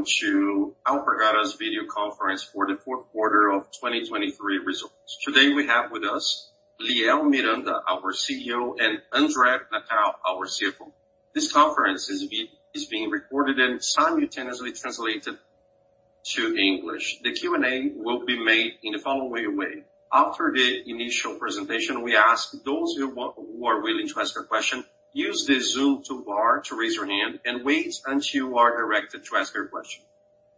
Good morning, everyone. Welcome to Alpargatas video conference for the fourth quarter of 2023 results. Today, we have with us Liel Miranda, our CEO, and André Natal, our CFO. This conference is being recorded and simultaneously translated to English. The Q&A will be made in the following way: after the initial presentation, we ask those who are willing to ask a question, use the Zoom toolbar to raise your hand and wait until you are directed to ask your question.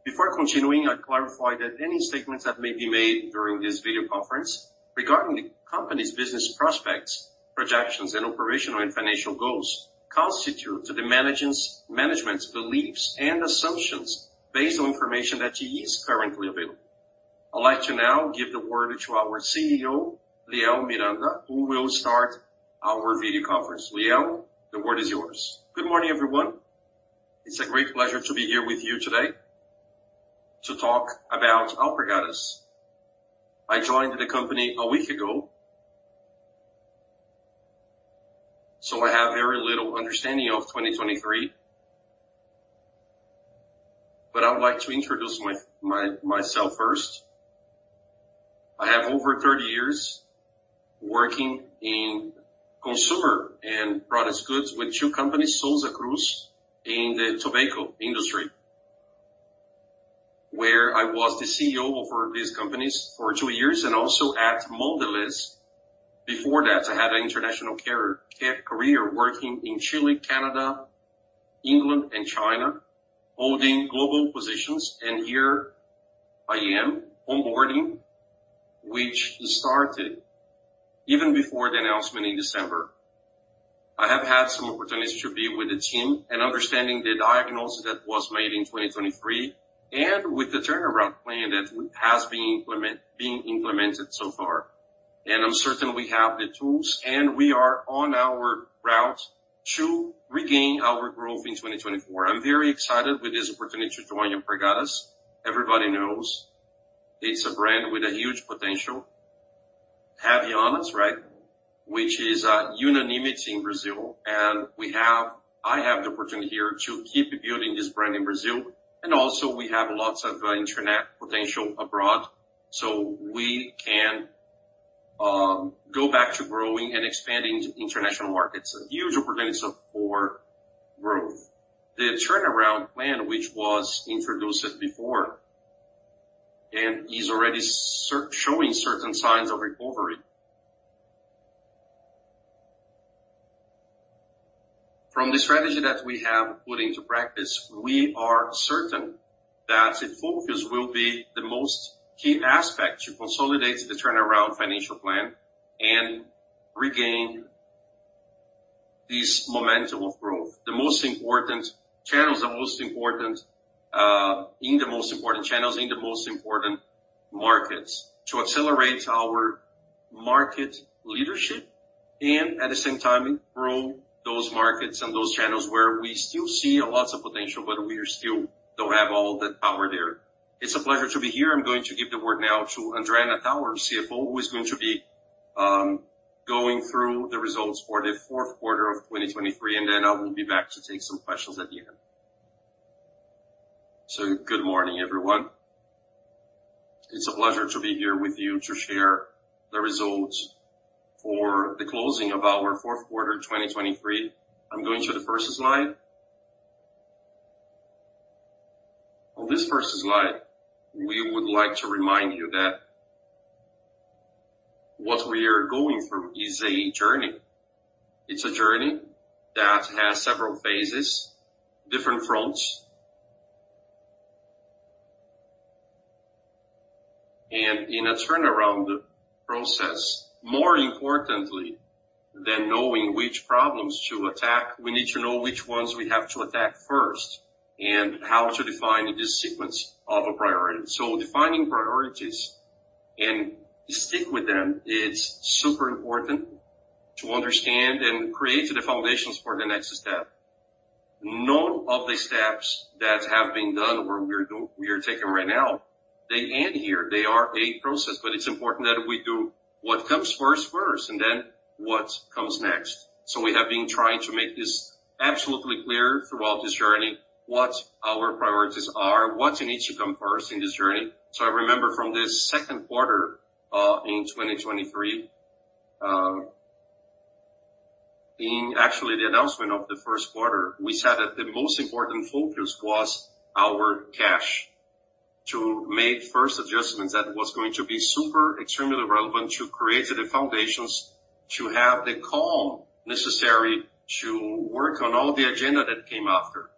Before continuing, I clarify that any statements that may be made during this video conference regarding the company's business prospects, projections, and operational and financial goals constitute the management's beliefs and assumptions based on information that is currently available. I'd like to now give the word to our CEO, Liel Miranda, who will start our video conference. Liel, the word is yours. Good morning, everyone. It's a great pleasure to be here with you today to talk about Alpargatas. I joined the company a week ago, so I have very little understanding of 2023. But I would like to introduce myself first. I have over 30 years working in consumer and products goods with two companies, Souza Cruz in the tobacco industry, where I was the CEO over these companies for 2 years, and also at Mondelēz. Before that, I had an international career working in Chile, Canada, England, and China, holding global positions. And here I am onboarding, which started even before the announcement in December. I have had some opportunities to be with the team and understanding the diagnosis that was made in 2023, and with the turnaround plan that has been being implemented so far. I'm certain we have the tools, and we are on our route to regain our growth in 2024. I'm very excited with this opportunity to join Alpargatas. Everybody knows it's a brand with a huge potential, Havaianas, right? Which is a unanimity in Brazil, and I have the opportunity here to keep building this brand in Brazil. And also we have lots of international potential abroad, so we can go back to growing and expanding to international markets. A huge opportunity for growth. The turnaround plan, which was introduced before, and is already showing certain signs of recovery. From the strategy that we have put into practice, we are certain that the focus will be the most key aspect to consolidate the turnaround financial plan and regain this momentum of growth. The most important channels are most important in the most important channels, in the most important markets, to accelerate our market leadership and at the same time, grow those markets and those channels where we still see lots of potential, but we still don't have all the power there. It's a pleasure to be here. I'm going to give the word now to André Natal, our CFO, who is going to be going through the results for the fourth quarter of 2023, and then I will be back to take some questions at the end. So good morning, everyone. It's a pleasure to be here with you to share the results for the closing of our fourth quarter, 2023. I'm going to the first slide. On this first slide, we would like to remind you that what we are going through is a journey. It's a journey that has several phases, different fronts. In a turnaround process, more importantly than knowing which problems to attack, we need to know which ones we have to attack first, and how to define the sequence of a priority. Defining priorities and stick with them, it's super important to understand and create the foundations for the next step. None of the steps that have been done or we are taking right now, they end here. They are a process, but it's important that we do what comes first, first, and then what comes next. We have been trying to make this absolutely clear throughout this journey, what our priorities are, what needs to come first in this journey. So I remember from the second quarter in 2023, in actually the announcement of the first quarter, we said that the most important focus was our cash. To make first adjustments, that was going to be super, extremely relevant to create the foundations, to have the calm necessary to work on all the agenda that came after.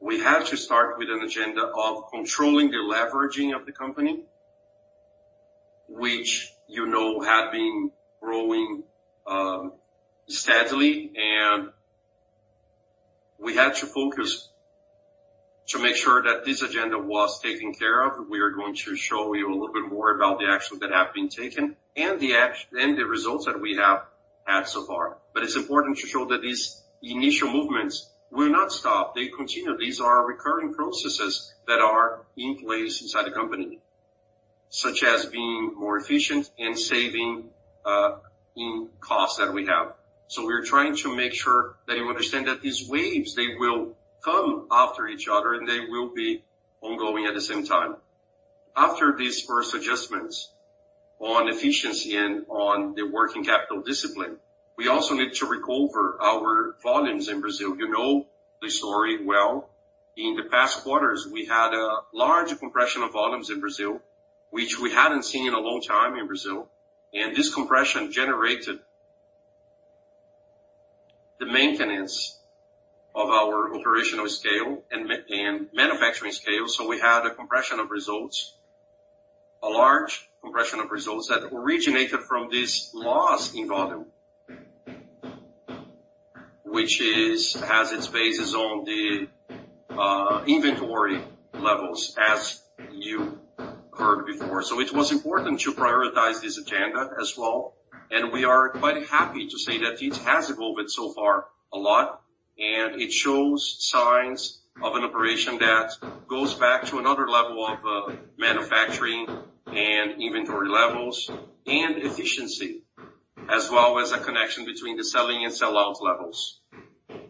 We had to start with an agenda of controlling the leveraging of the company, which, you know, had been growing steadily, and we had to focus to make sure that this agenda was taken care of. We are going to show you a little bit more about the actions that have been taken and the results that we have had so far. But it's important to show that these initial movements will not stop. They continue. These are recurring processes that are in place inside the company, such as being more efficient and saving in costs that we have. So we're trying to make sure that you understand that these waves, they will come after each other, and they will be ongoing at the same time. After these first adjustments on efficiency and on the working capital discipline, we also need to recover our volumes in Brazil. You know the story well. In the past quarters, we had a large compression of volumes in Brazil, which we hadn't seen in a long time in Brazil, and this compression generated the maintenance of our operational scale and manufacturing scale. So we had a compression of results, a large compression of results that originated from this loss in volume, which has its basis on the inventory levels, as you heard before. So it was important to prioritize this agenda as well, and we are quite happy to say that it has evolved so far a lot, and it shows signs of an operation that goes back to another level of manufacturing and inventory levels and efficiency, as well as a connection between the sell-in and sell-out levels.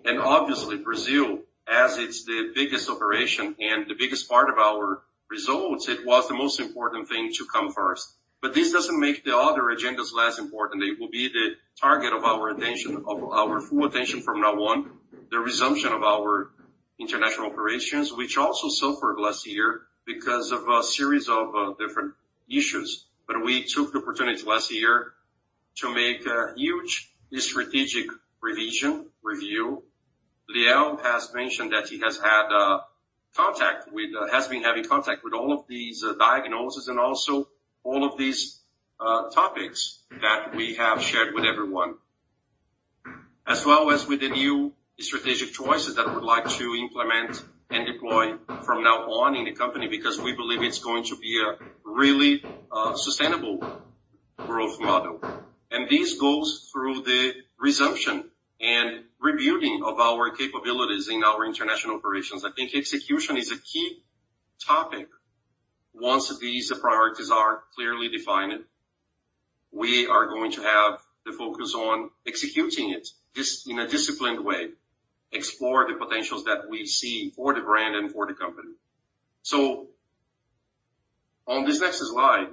And obviously, Brazil, as it's the biggest operation and the biggest part of our results, it was the most important thing to come first. But this doesn't make the other agendas less important. They will be the target of our attention, of our full attention from now on. The resumption of our international operations, which also suffered last year because of a series of different issues. But we took the opportunity last year to make a huge strategic revision, review. Liel has mentioned that he has had contact with--has been having contact with all of these diagnoses and also all of these topics that we have shared with everyone. As well as with the new strategic choices that we would like to implement and deploy from now on in the company, because we believe it's going to be a really sustainable growth model. And this goes through the resumption and rebuilding of our capabilities in our international operations. I think execution is a key topic. Once these priorities are clearly defined, we are going to have the focus on executing it in a disciplined way, explore the potentials that we see for the brand and for the company. So on this next slide,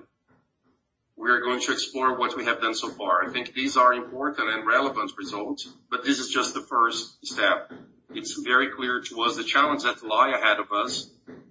we are going to explore what we have done so far. I think these are important and relevant results, but this is just the first step. It's very clear to us, the challenges that lie ahead of us,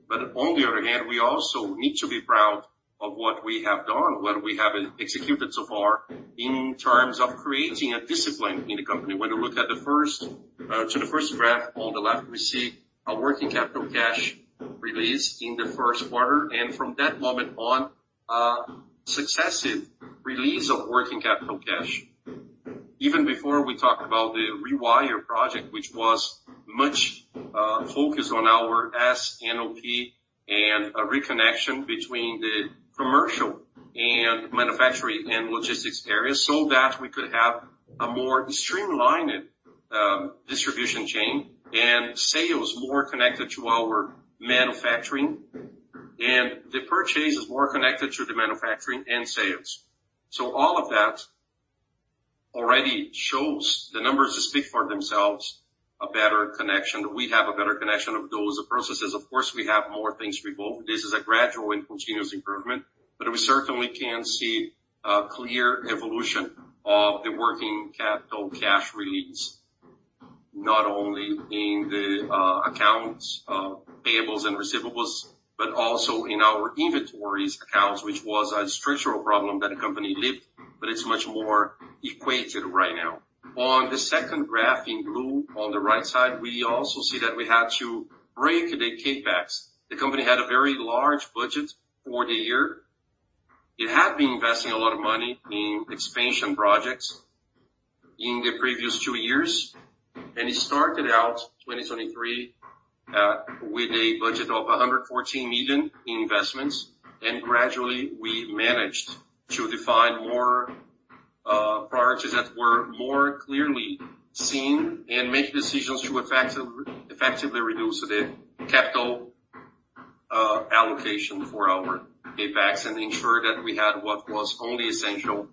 but on the other hand, we also need to be proud of what we have done, what we have executed so far in terms of creating a discipline in the company. When you look at the first to the first graph on the left, we see a Working Capital cash release in the first quarter, and from that moment on, a successive release of Working Capital cash. Even before we talked about the Rewire project, which was much focused on our S&OP and a reconnection between the commercial and manufacturing and logistics areas, so that we could have a more streamlined distribution chain and sales more connected to our manufacturing, and the purchases more connected to the manufacturing and sales. So all of that already shows, the numbers speak for themselves, a better connection. We have a better connection of those processes. Of course, we have more things to go. This is a gradual and continuous improvement, but we certainly can see a clear evolution of the working capital cash release, not only in the accounts payables and receivables, but also in our inventories accounts, which was a structural problem that the company lived, but it's much more equated right now. On the second graph, in blue, on the right side, we also see that we had to break the CapEx. The company had a very large budget for the year. It had been investing a lot of money in expansion projects in the previous two years, and it started out 2023 with a budget of 114 million in investments, and gradually we managed to define more priorities that were more clearly seen and make decisions to effectively reduce the capital allocation for our CapEx and ensure that we had what was only essential,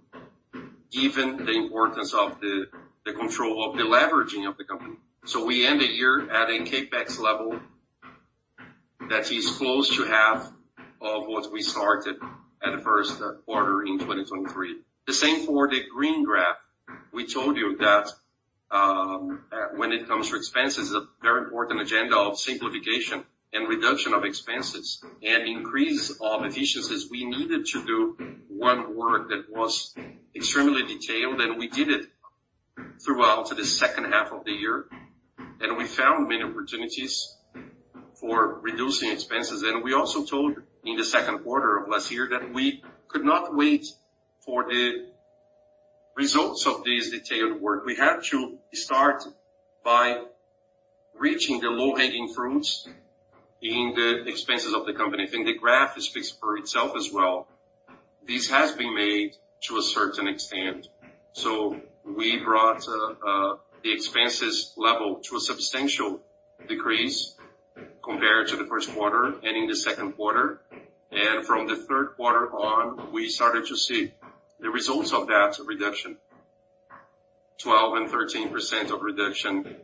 given the importance of the control of the leveraging of the company. So we end the year at a CapEx level that is close to half of what we started at the first quarter in 2023. The same for the green graph. We told you that, when it comes to expenses, a very important agenda of simplification and reduction of expenses and increase of efficiencies, we needed to do one work that was extremely detailed, and we did it throughout the second half of the year, and we found many opportunities for reducing expenses. We also told you in the second quarter of last year that we could not wait for the results of this detailed work. We had to start by reaching the low-hanging fruits in the expenses of the company. I think the graph speaks for itself as well. This has been made to a certain extent. So we brought the expenses level to a substantial decrease compared to the first quarter and in the second quarter, and from the third quarter on, we started to see the results of that reduction, 12% and 13% reduction,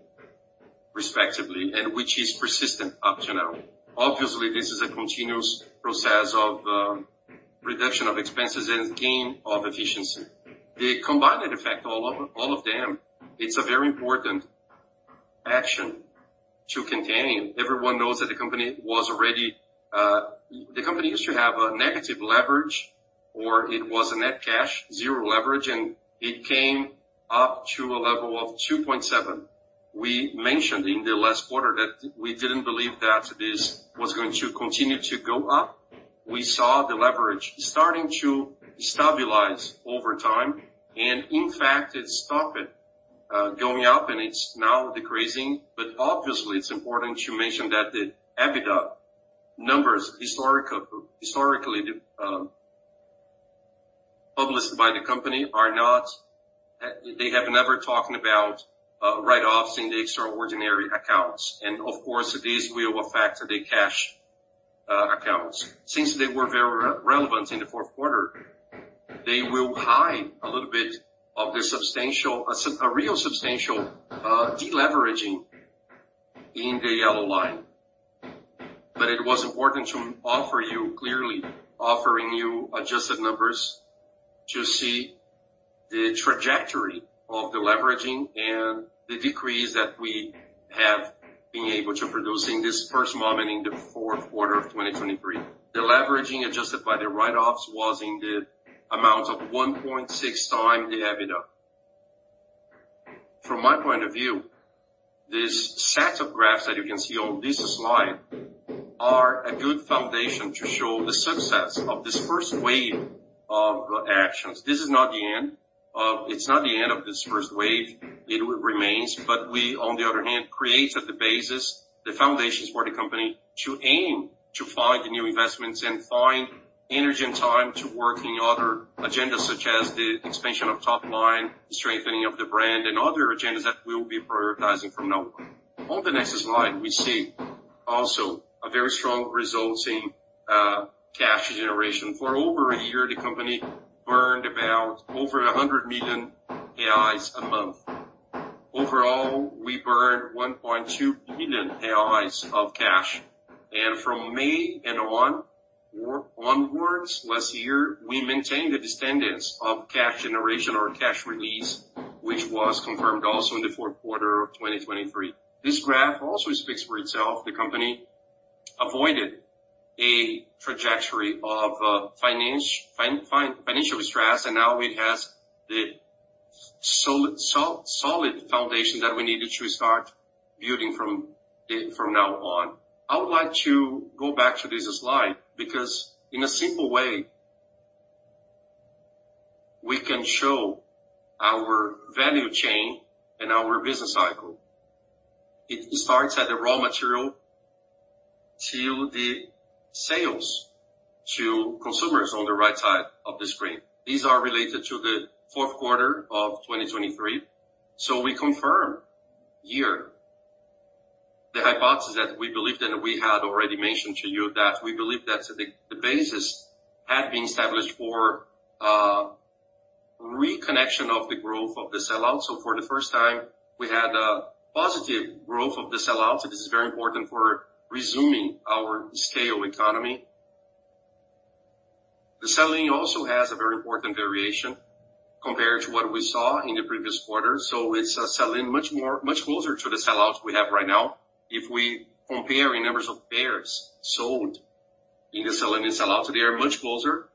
respectively, and which is persistent up to now. Obviously, this is a continuous process of reduction of expenses and gain of efficiency. The combined effect, all of them, it's a very important action to contain. Everyone knows that the company was already the company used to have a negative leverage, or it was a net cash, zero leverage, and it came up to a level of 2.7. We mentioned in the last quarter that we didn't believe that this was going to continue to go up. We saw the leverage starting to stabilize over time, and in fact, it stopped going up and it's now decreasing. But obviously, it's important to mention that the EBITDA numbers, historically published by the company are not... They have never talking about write-offs in the extraordinary accounts, and of course, this will affect the cash accounts. Since they were very relevant in the fourth quarter, they will hide a little bit of the real substantial deleveraging in the yellow line. But it was important to offer you clearly, offering you adjusted numbers to see the trajectory of the leveraging and the decrease that we have been able to produce in this first moment in the fourth quarter of 2023. The leveraging, adjusted by the write-offs, was in the amount of 1.6x the EBITDA. From my point of view, this set of graphs that you can see on this slide are a good foundation to show the success of this first wave of actions. This is not the end of... It's not the end of this first wave. It remains, but we, on the other hand, created the basis, the foundations for the company to aim to find new investments and find energy and time to work in other agendas, such as the expansion of top line, strengthening of the brand, and other agendas that we will be prioritizing from now on. On the next slide, we see also a very strong results in cash generation. For over a year, the company burned about over 100 million reais a month. Overall, we burned 1.2 million reais of cash, and from May and on, or onwards last year, we maintained the descendants of cash generation or cash release, which was confirmed also in the fourth quarter of 2023. This graph also speaks for itself. The company avoided a trajectory of financial stress, and now it has the solid foundation that we needed to start building from the, from now on. I would like to go back to this slide because in a simple way, we can show our value chain and our business cycle. It starts at the raw material, to the sales, to consumers on the right side of the screen. These are related to the fourth quarter of 2023. So we confirm here the hypothesis that we believed in. We had already mentioned to you that we believe that the basis had been established for reconnection of the growth of the sell-out. So for the first time, we had a positive growth of the sell-out. This is very important for resuming our scale economy. The sell-in also has a very important variation compared to what we saw in the previous quarter, so it's sell-in much more, much closer to the sell-outs we have right now. If we compare in numbers of pairs sold in the sell-in and sell-out, they are much closer,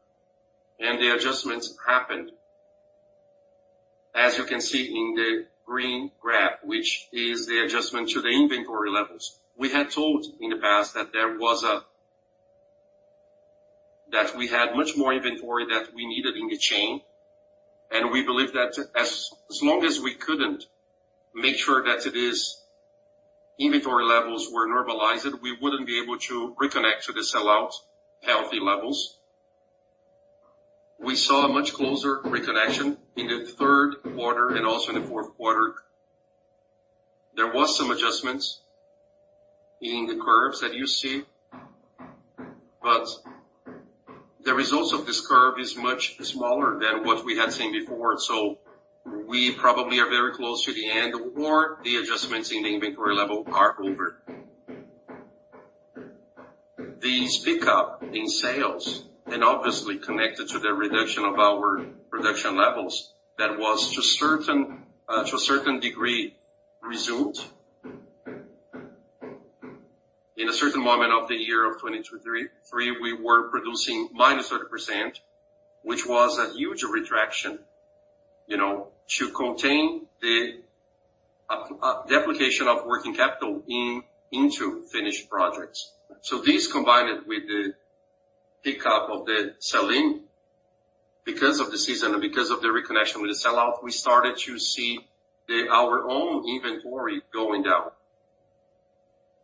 and the adjustments happened, as you can see in the green graph, which is the adjustment to the inventory levels. We had told in the past that there was a... That we had much more inventory than we needed in the chain, and we believe that as long as we couldn't make sure that these inventory levels were normalized, we wouldn't be able to reconnect to the sell-out healthy levels. We saw a much closer reconnection in the third quarter and also in the fourth quarter. There was some adjustments in the curves that you see, but the results of this curve is much smaller than what we had seen before, so we probably are very close to the end, or the adjustments in the inventory level are over. The pickup in sales and obviously connected to the reduction of our production levels, that was to a certain, to a certain degree, result. In a certain moment of the year of 2023, we were producing -30%, which was a huge retraction, you know, to contain the application of working capital into finished projects. So this, combined with the pickup of the selling, because of the season and because of the reconnection with the sell-out, we started to see our own inventory going down,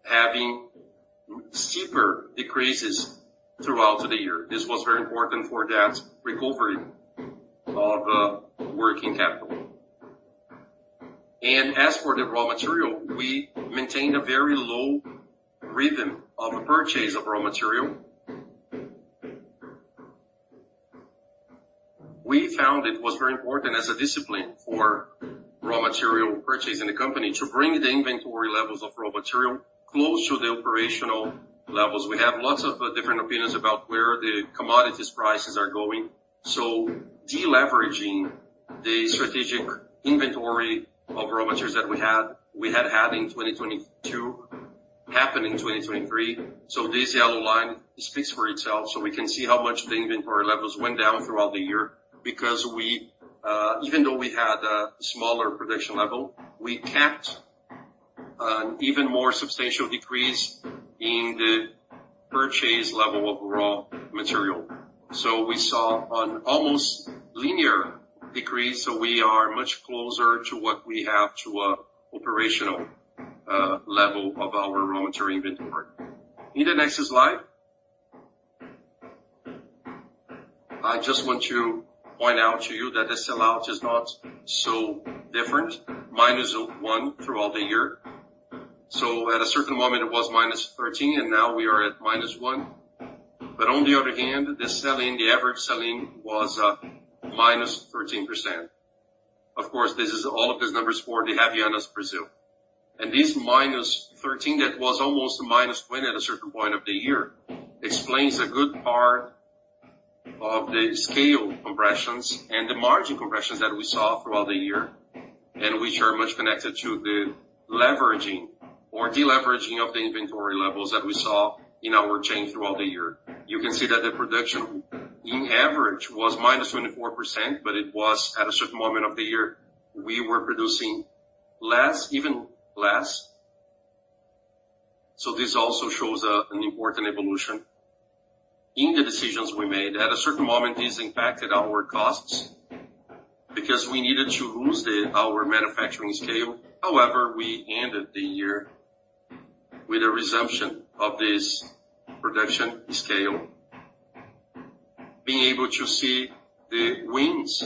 having steeper decreases throughout the year. This was very important for that recovery of working capital. And as for the raw material, we maintained a very low rhythm of purchase of raw material. We found it was very important as a discipline for raw material purchase in the company to bring the inventory levels of raw material close to the operational levels. We have lots of different opinions about where the commodities prices are going, so deleveraging the strategic inventory of raw materials that we had, we had had in 2022, happened in 2023. So this yellow line speaks for itself. So we can see how much the inventory levels went down throughout the year, because we, even though we had a smaller production level, we kept an even more substantial decrease in the purchase level of raw material. So we saw an almost linear decrease, so we are much closer to what we have to operational level of our raw material inventory. In the next slide. I just want to point out to you that the sell-out is not so different, -1 throughout the year. So at a certain moment, it was -13, and now we are at -1. But on the other hand, the average selling was -13%. Of course, this is all of these numbers for the Havaianas Brazil. And this -13%, that was almost -20% at a certain point of the year, explains a good part of the scale compressions and the margin compressions that we saw throughout the year, and which are much connected to the leveraging or deleveraging of the inventory levels that we saw in our chain throughout the year. You can see that the production in average was -24%, but it was at a certain moment of the year, we were producing less, even less. So this also shows an important evolution in the decisions we made. At a certain moment, this impacted our costs because we needed to lose our manufacturing scale. However, we ended the year with a resumption of this production scale, being able to see the wins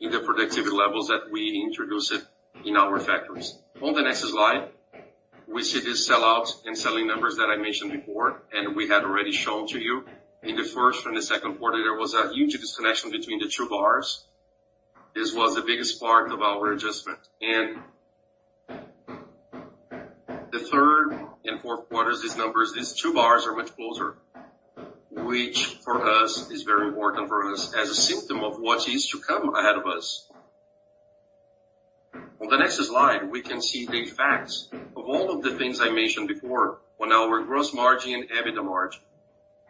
in the productivity levels that we introduced it in our factories. On the next slide, we see the sell-out and sell-in numbers that I mentioned before, and we had already shown to you. In the first and the second quarter, there was a huge disconnection between the two bars. This was the biggest part of our adjustment. The third and fourth quarters, these numbers, these two bars are much closer, which for us, is very important for us as a symptom of what is to come ahead of us. On the next slide, we can see the effects of all of the things I mentioned before on our gross margin and EBITDA margin.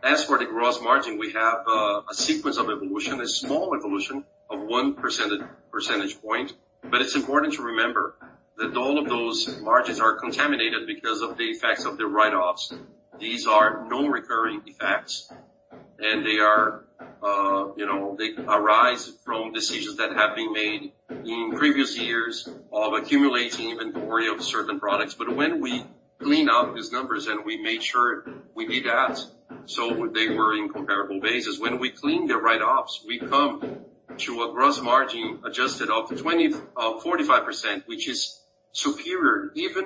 As for the gross margin, we have a sequence of evolution, a small evolution of one percentage point. But it's important to remember that all of those margins are contaminated because of the effects of the write-offs. These are non-recurring effects, and they are, you know, they arise from decisions that have been made in previous years of accumulating inventory of certain products. But when we clean up these numbers, and we made sure we did that, so they were on a comparable basis. When we clean the write-offs, we come to a gross margin adjusted of 24.5%, which is superior even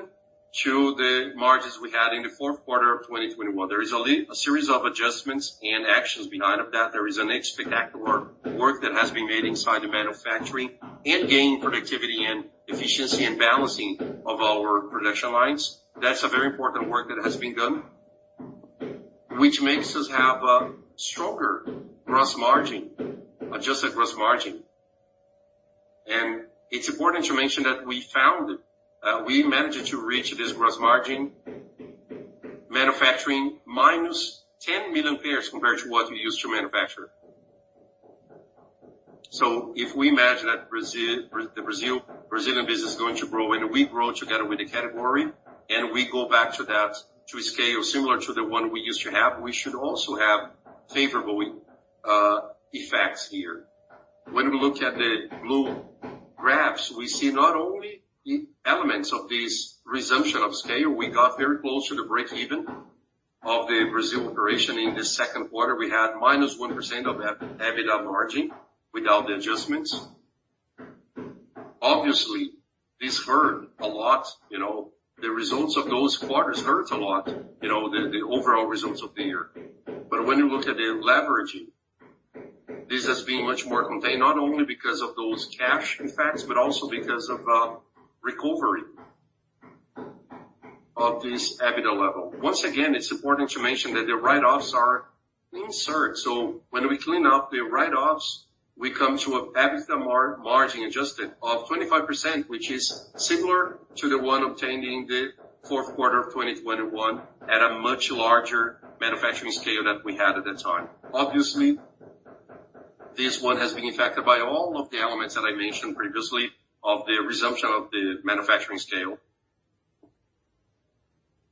to the margins we had in the fourth quarter of 2021. There is a series of adjustments and actions behind that. There is a spectacular work that has been made inside the manufacturing and gain productivity and efficiency and balancing of our production lines. That's a very important work that has been done, which makes us have a stronger gross margin, adjusted gross margin. And it's important to mention that we found, we managed to reach this gross margin manufacturing minus 10 million pairs compared to what we used to manufacture. So if we imagine that the Brazil, Brazilian business is going to grow, and we grow together with the category, and we go back to that, to a scale similar to the one we used to have, we should also have favorable effects here. When we look at the blue graphs, we see not only the elements of this resumption of scale, we got very close to the breakeven of the Brazil operation. In the second quarter, we had -1% EBITDA margin without the adjustments. Obviously, this hurt a lot. You know, the results of those quarters hurt a lot, you know, the overall results of the year. But when you look at the leveraging, this has been much more contained, not only because of those cash effects, but also because of recovery of this EBITDA level. Once again, it's important to mention that the write-offs are inserted. So when we clean up the write-offs, we come to an EBITDA margin adjusted of 25%, which is similar to the one obtained in the fourth quarter of 2021, at a much larger manufacturing scale that we had at that time. Obviously, this one has been impacted by all of the elements that I mentioned previously of the resumption of the manufacturing scale,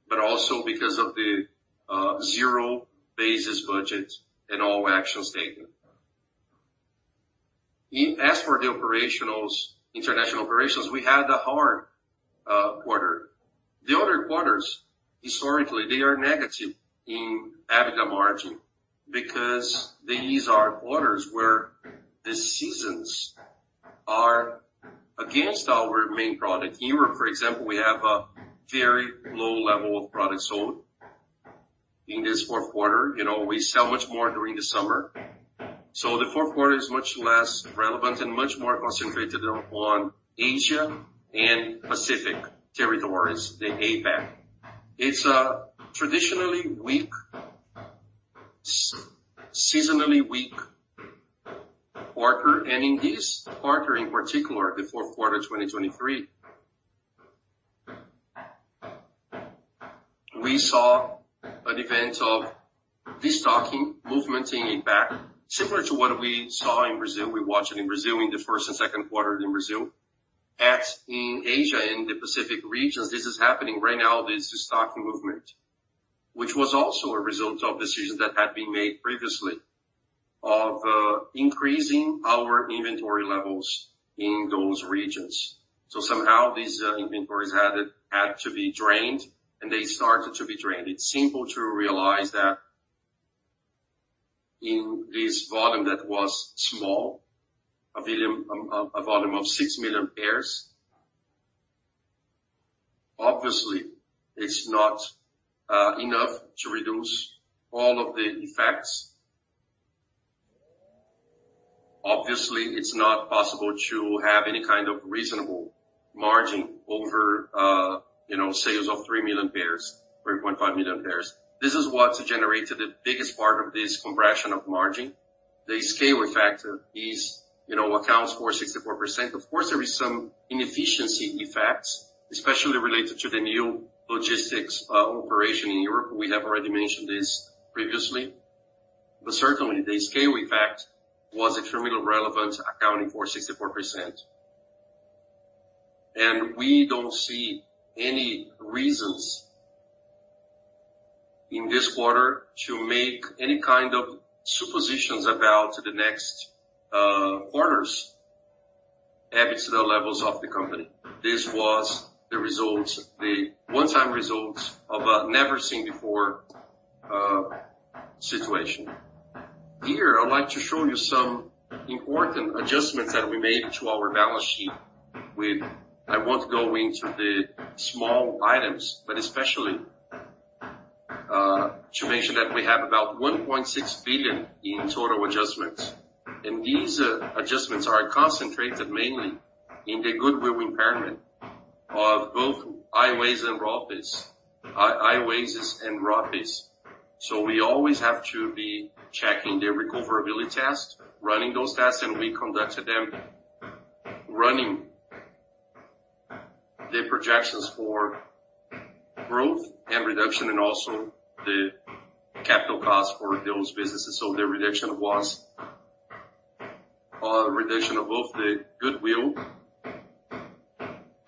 but also because of the zero-based budget and all action statement. As for the operational international operations, we had a hard quarter. The other quarters, historically, they are negative in EBITDA margin, because these are quarters where the seasons are against our main product. Europe, for example, we have a very low level of products sold in this fourth quarter. You know, we sell much more during the summer. So the fourth quarter is much less relevant and much more concentrated on Asia and Pacific territories, the APAC. It's a traditionally weak, seasonally weak quarter, and in this quarter in particular, the fourth quarter, 2023, we saw an event of destocking movement in APAC, similar to what we saw in Brazil. We watched it in Brazil, in the first and second quarter in Brazil. In Asia, in the Pacific regions, this is happening right now, this destocking movement, which was also a result of decisions that had been made previously of increasing our inventory levels in those regions. So somehow these inventories had to be drained, and they started to be drained. It's simple to realize that in this volume, that was small, a volume of 6 million pairs. Obviously, it's not enough to reduce all of the effects. Obviously, it's not possible to have any kind of reasonable margin over, you know, sales of 3 million pairs, 3.5 million pairs. This is what generated the biggest part of this compression of margin. The scale factor is, you know, accounts for 64%. Of course, there is some inefficiency effects, especially related to the new logistics operation in Europe. We have already mentioned this previously, but certainly the scale effect was extremely relevant, accounting for 64%. And we don't see any reasons in this quarter to make any kind of suppositions about the next quarters EBITDA levels of the company. This was the results, the one-time results of a never-seen-before situation. Here, I'd like to show you some important adjustments that we made to our balance sheet with... I won't go into the small items, but especially to mention that we have about 1.6 billion in total adjustments, and these adjustments are concentrated mainly in the goodwill impairment of both Havaianas and Rothy's. So we always have to be checking the recoverability test, running those tests, and we conducted them, running the projections for growth and reduction and also the capital costs for those businesses. So the reduction was a reduction of both the goodwill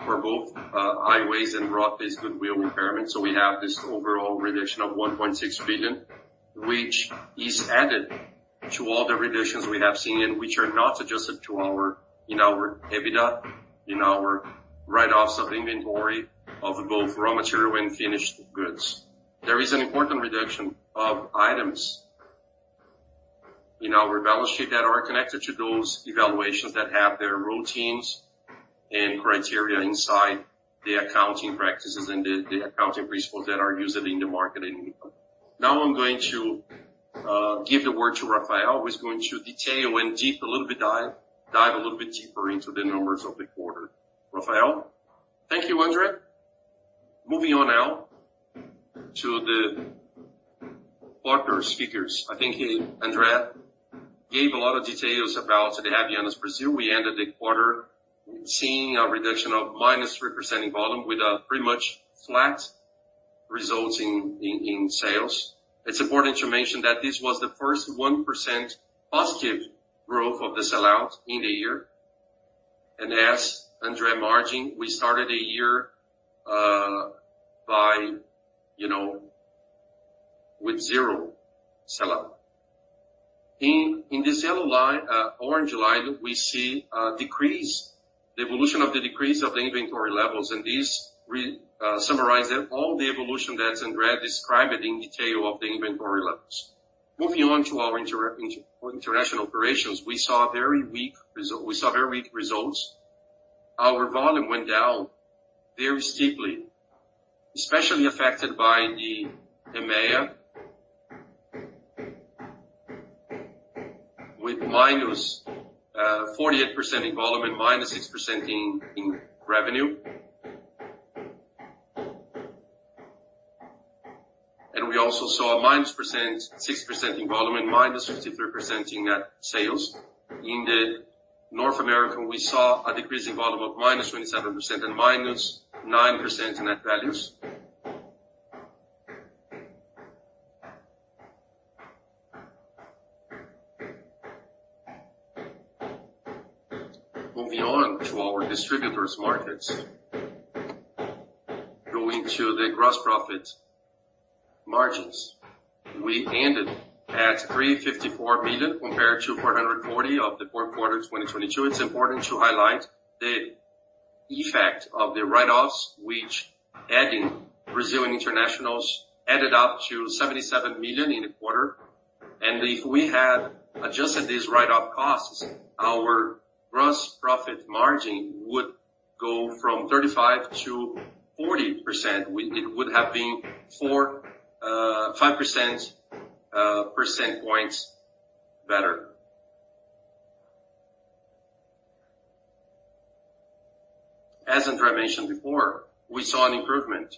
for both Havaianas and Rothy's, goodwill impairment. So we have this overall reduction of 1.6 billion, which is added to all the reductions we have seen and which are not adjusted to our, in our EBITDA, in our write-offs of inventory of both raw material and finished goods. There is an important reduction of items in our balance sheet that are connected to those evaluations that have their routines and criteria inside the accounting practices and the accounting principles that are used in the marketing income. Now I'm going to give the word to Rafael, who is going to detail and dive a little bit deeper into the numbers of the quarter. Rafael? Thank you, André. Moving on now to the quarter figures. I think he, André, gave a lot of details about the Havaianas Brazil. We ended the quarter seeing a reduction of -3% in volume, with a pretty much flat result in sales. It's important to mention that this was the first 1% positive growth of the sell-out in a year. And as André mentioned, we started the year, you know, with zero sell-out. In this yellow line, orange line, we see a decrease, the evolution of the decrease of the inventory levels, and this summarizes all the evolution that's in red, describing in detail the inventory levels. Moving on to our international operations, we saw very weak results. Our volume went down very steeply, especially affected by the EMEA. With -48% in volume and -6% in revenue. And we also saw a -6% in volume and -53% in net sales. In the North America, we saw a decrease in volume of -27% and -9% in net values. Moving on to our distributors markets.... Going to the gross profit margins, we ended at 354 million compared to 440 million of the fourth quarter 2022. It's important to highlight the effect of the write-offs, which adding Brazilian internationals, added up to 77 million in the quarter. If we had adjusted these write-off costs, our gross profit margin would go from 35%-40%. It would have been 4-5 percentage points better. As André mentioned before, we saw an improvement,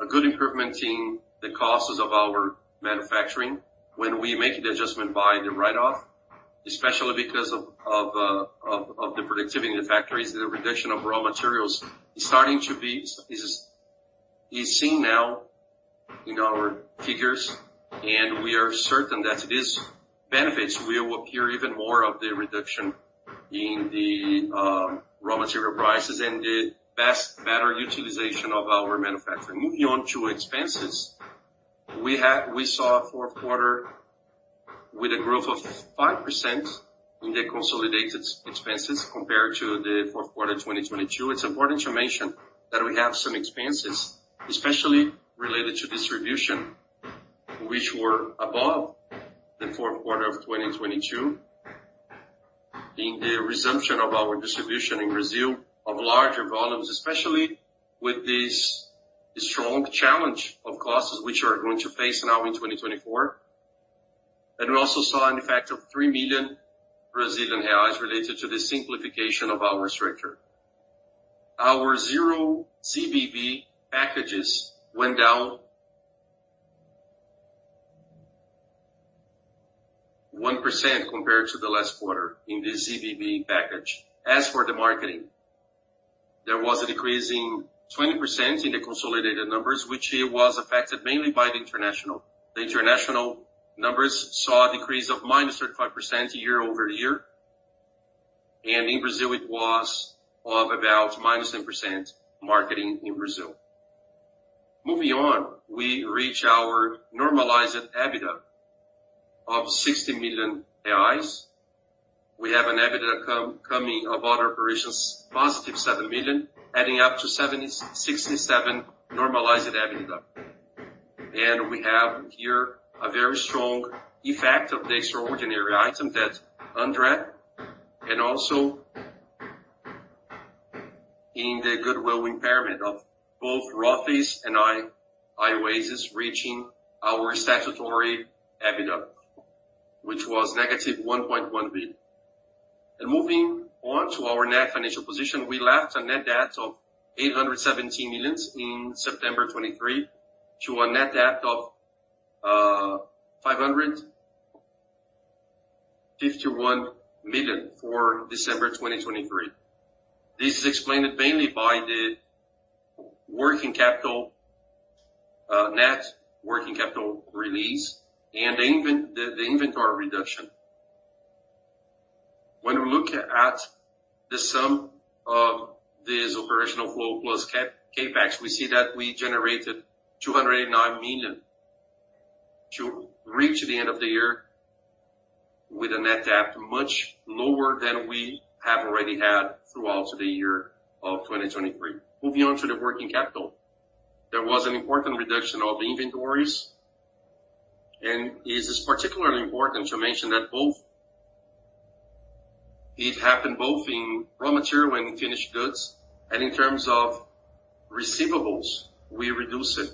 a good improvement in the costs of our manufacturing when we make the adjustment by the write-off, especially because of the productivity in the factories, and the reduction of raw materials is starting to be seen now in our figures, and we are certain that these benefits will appear even more of the reduction in the raw material prices and the better utilization of our manufacturing. Moving on to expenses. We saw a fourth quarter with a growth of 5% in the consolidated expenses compared to the fourth quarter 2022. It's important to mention that we have some expenses, especially related to distribution, which were above the fourth quarter of 2022, being the resumption of our distribution in Brazil, of larger volumes, especially with this strong challenge of costs which we are going to face now in 2024. We also saw an effect of 3 million Brazilian reais related to the simplification of our structure. Our zero ZBB packages went down 1% compared to the last quarter in the ZBB package. As for the marketing, there was a decrease in 20% in the consolidated numbers, which it was affected mainly by the international. The international numbers saw a decrease of -35% year-over-year, and in Brazil, it was of about -10% marketing in Brazil. Moving on, we reach our normalized EBITDA of 60 million reais. We have an EBITDA coming of our operations, positive 7 million, adding up to 67 normalized EBITDA. We have here a very strong effect of the extraordinary item that André, and also in the goodwill impairment of both Rothy's and Ioasys, reaching our statutory EBITDA, which was negative 1.1 billion. Moving on to our net financial position, we left a net debt of 817 million in September 2023, to a net debt of 551 million for December 2023. This is explained mainly by the working capital, net working capital release and the inventory reduction. When we look at the sum of this operational flow plus CapEx, we see that we generated 289 million to reach the end of the year with a net debt, much lower than we have already had throughout the year of 2023. Moving on to the working capital. There was an important reduction of inventories, and it is particularly important to mention that it happened both in raw material and finished goods, and in terms of receivables, we reduced it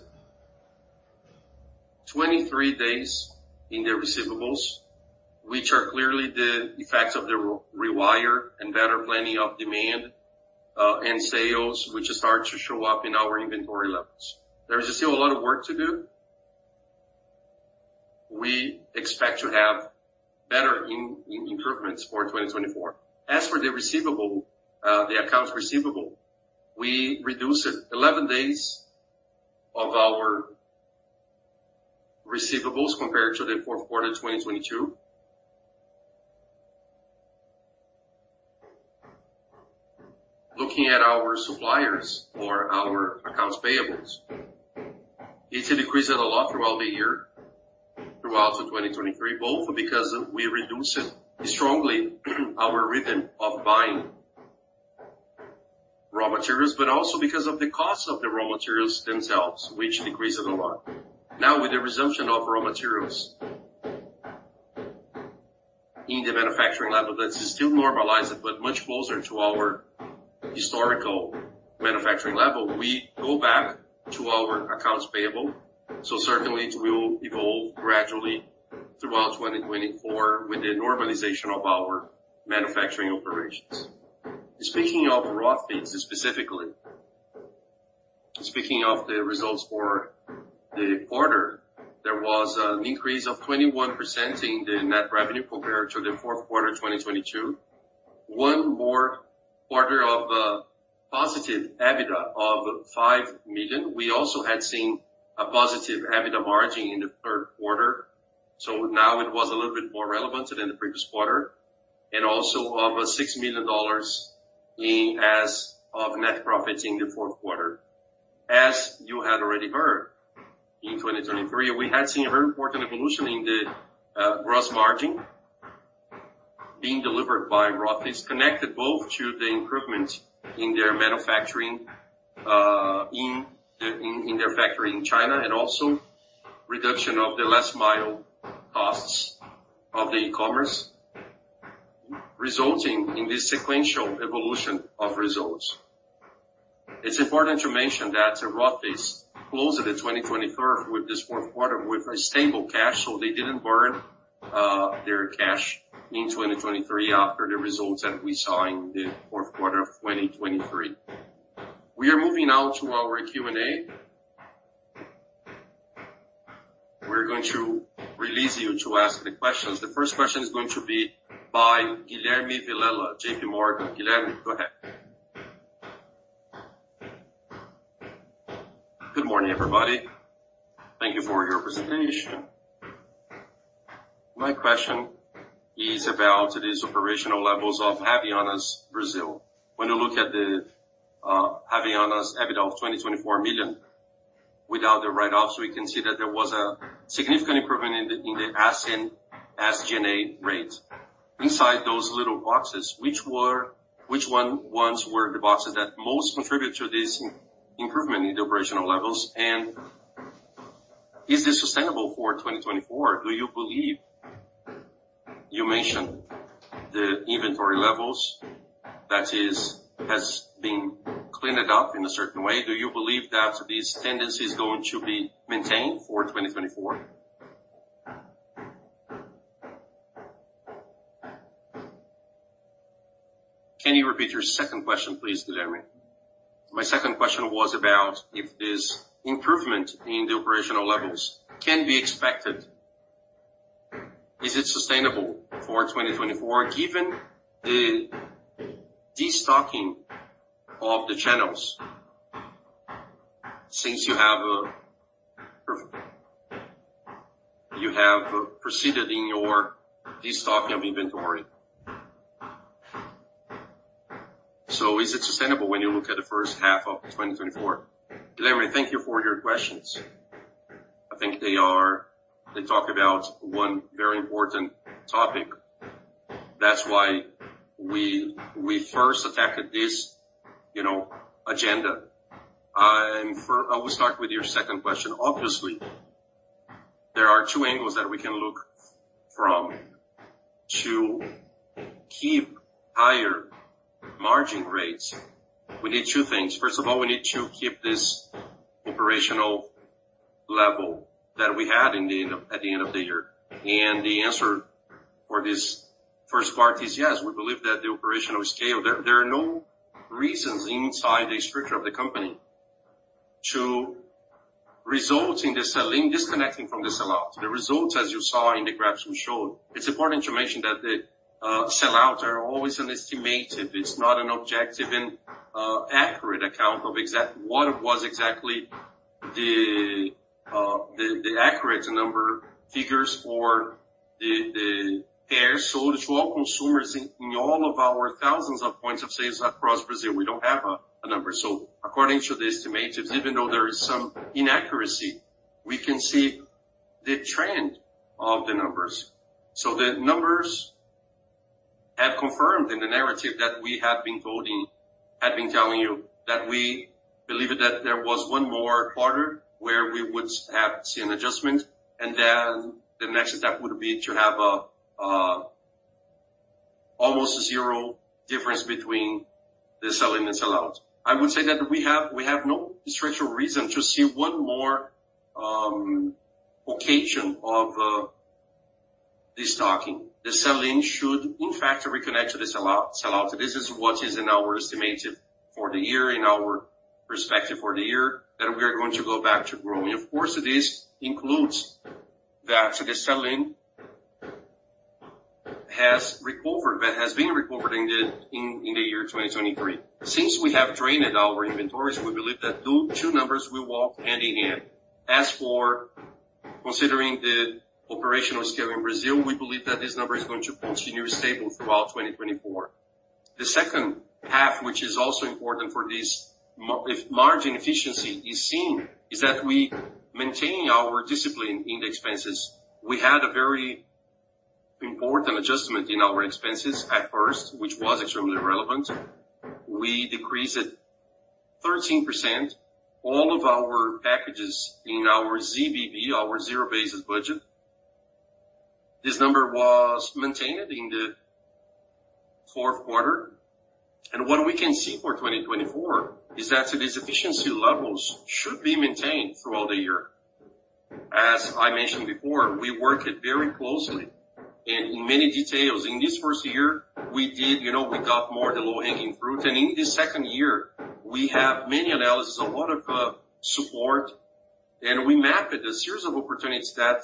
23 days in the receivables, which are clearly the effects of the rewire and better planning of demand and sales, which start to show up in our inventory levels. There is still a lot of work to do. We expect to have better improvements for 2024. As for the receivable, the accounts receivable, we reduced it 11 days of our receivables compared to the fourth quarter of 2022. Looking at our suppliers or our accounts payables, it's decreased a lot throughout the year, throughout 2023, both because we reduced it strongly, our rhythm of buying raw materials, but also because of the cost of the raw materials themselves, which decreased it a lot. Now, with the resumption of raw materials in the manufacturing level, that's still normalized, but much closer to our historical manufacturing level, we go back to our accounts payable, so certainly it will evolve gradually throughout 2024 with the normalization of our manufacturing operations. Speaking of Rothy's, specifically, speaking of the results for the quarter, there was an increase of 21% in the net revenue compared to the fourth quarter of 2022. One more quarter of positive EBITDA of $5 million. We also had seen a positive EBITDA margin in the third quarter, so now it was a little bit more relevant than in the previous quarter... and also of $6 million in as of net profits in the fourth quarter. As you had already heard, in 2023, we had seen a very important evolution in the gross margin being delivered by Rothy's. It's connected both to the improvement in their manufacturing in the in in their factory in China, and also reduction of the last mile costs of the e-commerce, resulting in this sequential evolution of results. It's important to mention that, Rothy's closed 2023 with this fourth quarter with a stable cash, so they didn't burn their cash in 2023 after the results that we saw in the fourth quarter of 2023. We are moving now to our Q&A. We're going to release you to ask the questions. The first question is going to be by Guilherme Villela, JP Morgan. Guilherme, go ahead. Good morning, everybody. Thank you for your presentation. My question is about these operational levels of Havaianas, Brazil. When you look at the Havaianas EBITDA of 24 million, without the write-offs, we can see that there was a significant improvement in the SG&A rate. Inside those little boxes, which ones were the boxes that most contributed to this improvement in the operational levels, and is this sustainable for 2024, do you believe? You mentioned the inventory levels, that is, has been cleaned up in a certain way. Do you believe that this tendency is going to be maintained for 2024? Can you repeat your second question, please, Guilherme? My second question was about if this improvement in the operational levels can be expected. Is it sustainable for 2024, given the destocking of the channels, since you have, you have proceeded in your destocking of inventory? So is it sustainable when you look at the first half of 2024? Guilherme, thank you for your questions. I think they talk about one very important topic. That's why we first attacked this, you know, agenda. I will start with your second question. Obviously, there are two angles that we can look from. To keep higher margin rates, we need two things. First of all, we need to keep this operational level that we had at the end of the year. The answer for this first part is, yes, we believe that the operational scale, there are no reasons inside the structure of the company to result in the sell-in disconnecting from the sell-out. The results, as you saw in the graphs we showed, it's important to mention that the sell-out is always an estimate. It's not an objective and accurate account of exactly what was the accurate number, figures, or the pairs sold to all consumers in all of our thousands of points of sale across Brazil. We don't have a number. So according to the estimates, even though there is some inaccuracy, we can see the trend of the numbers. So the numbers have confirmed in the narrative that we have been building, have been telling you, that we believe that there was one more quarter where we would have seen an adjustment, and then the next step would be to have a almost zero difference between the sell-in and sell-out. I would say that we have no structural reason to see one more occasion of destocking. The sell-in should in fact reconnect to the sell-out. This is what is in our estimated for the year, in our perspective for the year, that we are going to go back to growing. Of course, this includes that the selling has recovered, but has been recovered in the year 2023. Since we have drained our inventories, we believe that those two numbers will walk hand in hand. As for considering the operational scale in Brazil, we believe that this number is going to continue stable throughout 2024. The second half, which is also important for this margin efficiency if seen, is that we maintain our discipline in the expenses. We had a very important adjustment in our expenses at first, which was extremely relevant. We decreased 13% all of our packages in our ZBB, our zero-based budget. This number was maintained in the fourth quarter, and what we can see for 2024 is that these efficiency levels should be maintained throughout the year. As I mentioned before, we worked very closely and in many details. In this first year, we did, you know, we got more the low-hanging fruit, and in the second year, we have many analysis, a lot of support, and we mapped a series of opportunities that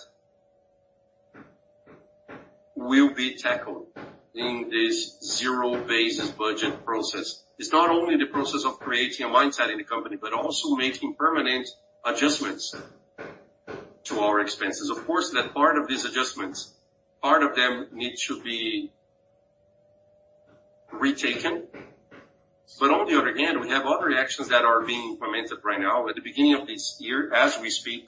will be tackled in this zero-based budget process. It's not only the process of creating a mindset in the company, but also making permanent adjustments to our expenses. Of course, that part of these adjustments, part of them need to be retaken. But on the other hand, we have other actions that are being implemented right now at the beginning of this year as we speak,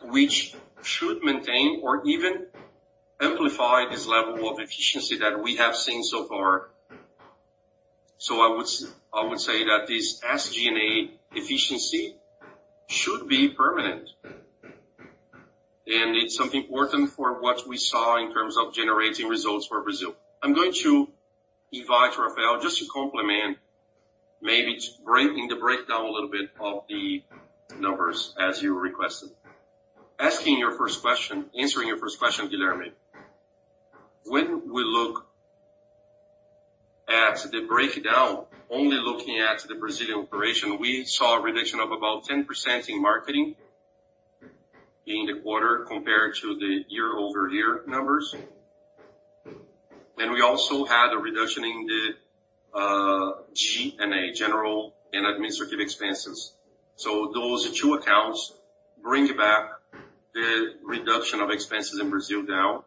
which should maintain or even amplify this level of efficiency that we have seen so far. So I would say that this SG&A efficiency should be permanent, and it's something important for what we saw in terms of generating results for Brazil. I'm going to invite Rafael just to complement, maybe to breaking the breakdown a little bit of the numbers as you requested. Answering your first question, Guilherme, when we look at the breakdown, only looking at the Brazilian operation, we saw a reduction of about 10% in marketing in the quarter compared to the year-over-year numbers. And we also had a reduction in the G&A, general and administrative expenses. So those two accounts bring back the reduction of expenses in Brazil now.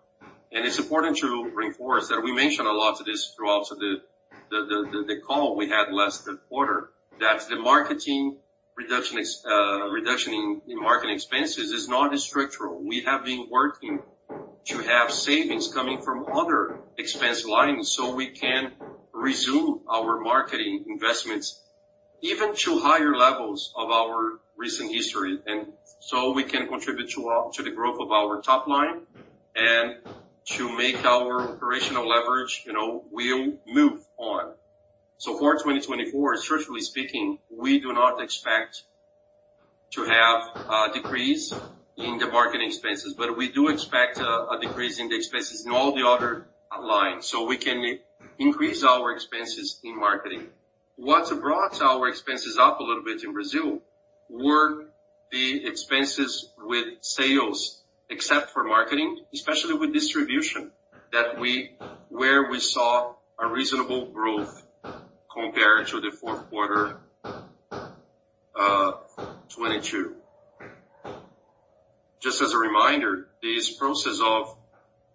It's important to reinforce that we mentioned a lot of this throughout the call we had last quarter, that the reduction in marketing expenses is not structural. We have been working to have savings coming from other expense lines, so we can resume our marketing investments even to higher levels of our recent history, and so we can contribute to the growth of our top line and to make our operational leverage, you know, will move on. So for 2024, structurally speaking, we do not expect to have a decrease in the marketing expenses, but we do expect a decrease in the expenses in all the other lines, so we can increase our expenses in marketing. What brought our expenses up a little bit in Brazil were the expenses with sales, except for marketing, especially with distribution, that where we saw a reasonable growth compared to the fourth quarter 2022. Just as a reminder, this process of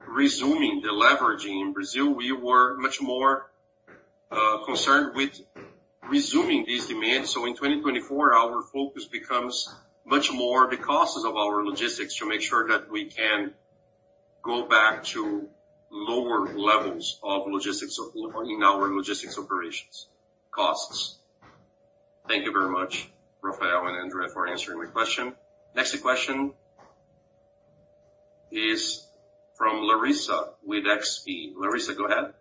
resuming the leveraging in Brazil, we were much more concerned with resuming these demands. So in 2024, our focus becomes much more the costs of our logistics to make sure that we can go back to lower levels of logistics operations costs. Thank you very much, Rafael and André, for answering my question. Next question is from Larissa with XP. Larissa, go ahead.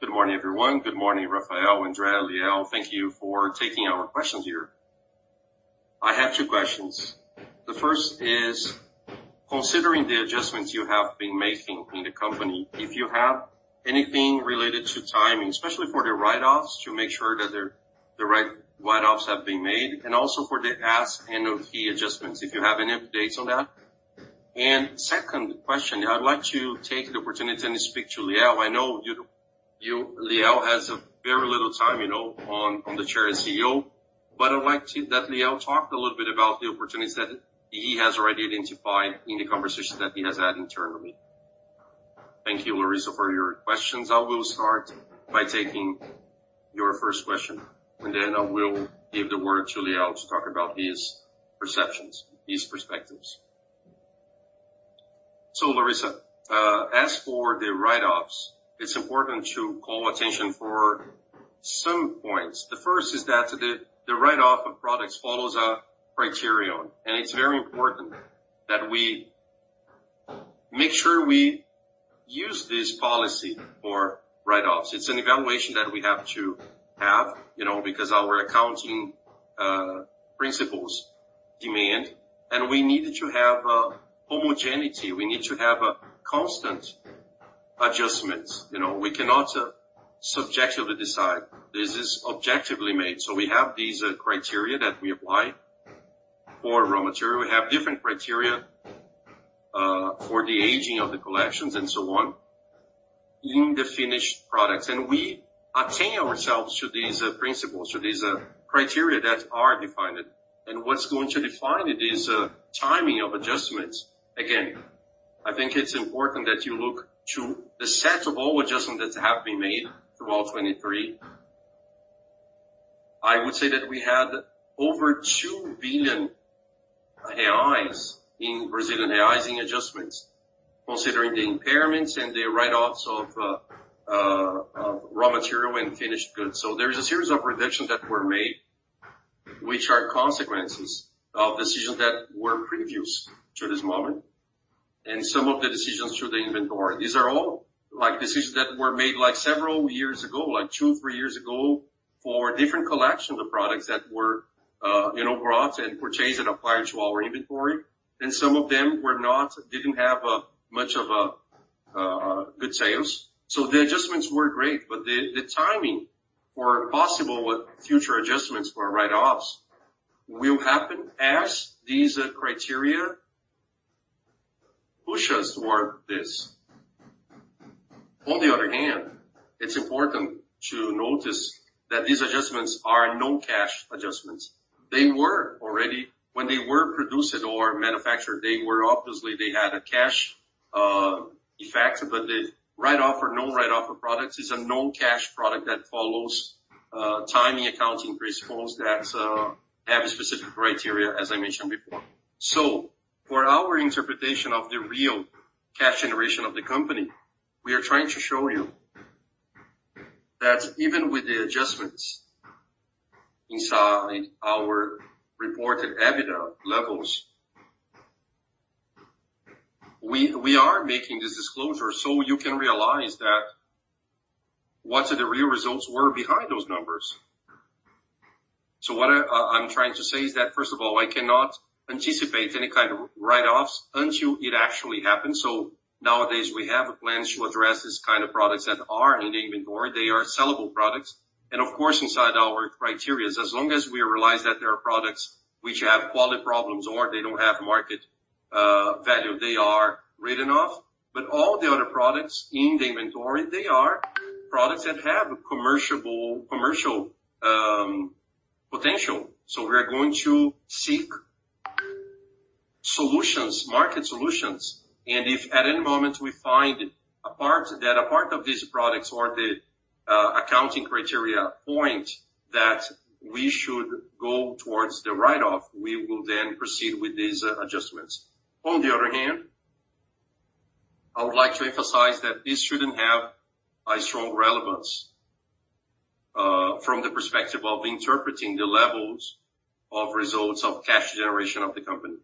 Good morning, everyone. Good morning, Rafael, André, Liel. Thank you for taking our questions here. I have two questions. The first is, considering the adjustments you have been making in the company, if you have anything related to timing, especially for the write-offs, to make sure that they're the right write-offs have been made, and also for the S&OP adjustments, if you have any updates on that. Second question, I'd like to take the opportunity and speak to Liel. I know Liel has a very little time, you know, on the chair as CEO, but I'd like to that Liel talk a little bit about the opportunities that he has already identified in the conversations that he has had internally. Thank you, Larissa, for your questions. I will start by taking your first question, and then I will give the word to Liel to talk about his perceptions, his perspectives. So, Larissa, as for the write-offs, it's important to call attention for some points. The first is that the, the write-off of products follows a criterion, and it's very important that we make sure we use this policy for write-offs. It's an evaluation that we have to have, you know, because our accounting principles demand, and we need to have a homogeneity. We need to have a constant adjustment. You know, we cannot subjectively decide. This is objectively made. So we have these criteria that we apply for raw material. We have different criteria for the aging of the collections and so on in the finished products. And we attain ourselves to these principles, to these criteria that are defined. And what's going to define it is a timing of adjustments. Again, I think it's important that you look to the set of all adjustments that have been made throughout 2023. I would say that we had over 2 billion reais in Brazil and reais in adjustments, considering the impairments and the write-offs of raw material and finished goods. So there is a series of reductions that were made, which are consequences of decisions that were previous to this moment and some of the decisions to the inventory. These are all like decisions that were made, like, several years ago, like 2, 3 years ago, for different collections of products that were, you know, brought and purchased and acquired to our inventory. And some of them were not-- didn't have much of a good sales, so the adjustments were great, but the timing for possible future adjustments for write-offs will happen as these criteria-... push us toward this. On the other hand, it's important to notice that these adjustments are non-cash adjustments. They were already—when they were produced or manufactured, they were obviously they had a cash effect, but the write-off or no write-off of products is a non-cash product that follows timing accounting principles that have a specific criteria, as I mentioned before. So for our interpretation of the real cash generation of the company, we are trying to show you that even with the adjustments inside our reported EBITDA levels, we are making this disclosure so you can realize that what the real results were behind those numbers. So what I'm trying to say is that, first of all, I cannot anticipate any kind of write-offs until it actually happens. Nowadays, we have a plan to address this kind of products that are in the inventory. They are sellable products, and of course, inside our criteria, as long as we realize that there are products which have quality problems or they don't have market value, they are written off. But all the other products in the inventory, they are products that have a commercial potential. We are going to seek solutions, market solutions, and if at any moment we find that a part of these products or the accounting criteria point that we should go towards the write-off, we will then proceed with these adjustments. On the other hand, I would like to emphasize that this shouldn't have a strong relevance from the perspective of interpreting the levels of results of cash generation of the company.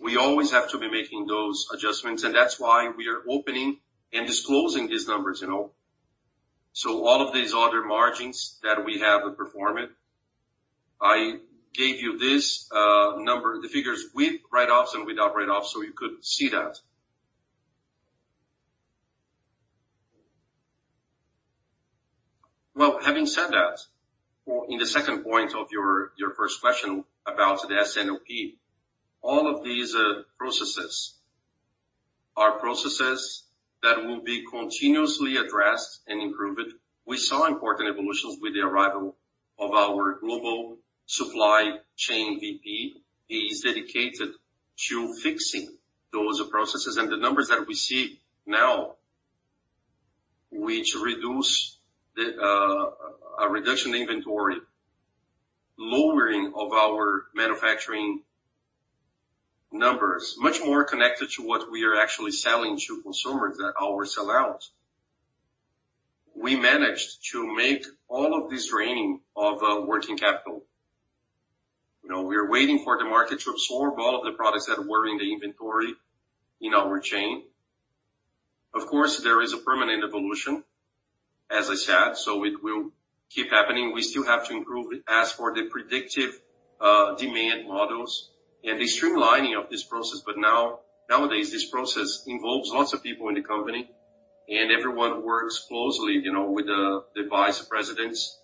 We always have to be making those adjustments, and that's why we are opening and disclosing these numbers, you know. So all of these other margins that we have in performance, I gave you this number, the figures with write-offs and without write-offs, so you could see that. Well, having said that, for in the second point of your first question about the S&OP, all of these processes are processes that will be continuously addressed and improved. We saw important evolutions with the arrival of our global supply chain VP. He is dedicated to fixing those processes and the numbers that we see now, which reduce the a reduction in inventory, lowering of our manufacturing numbers, much more connected to what we are actually selling to consumers at our sell-out. We managed to make all of this draining of working capital. You know, we are waiting for the market to absorb all of the products that were in the inventory in our chain. Of course, there is a permanent evolution, as I said, so it will keep happening. We still have to improve as for the predictive demand models and the streamlining of this process, but nowadays, this process involves lots of people in the company, and everyone works closely, you know, with the vice presidents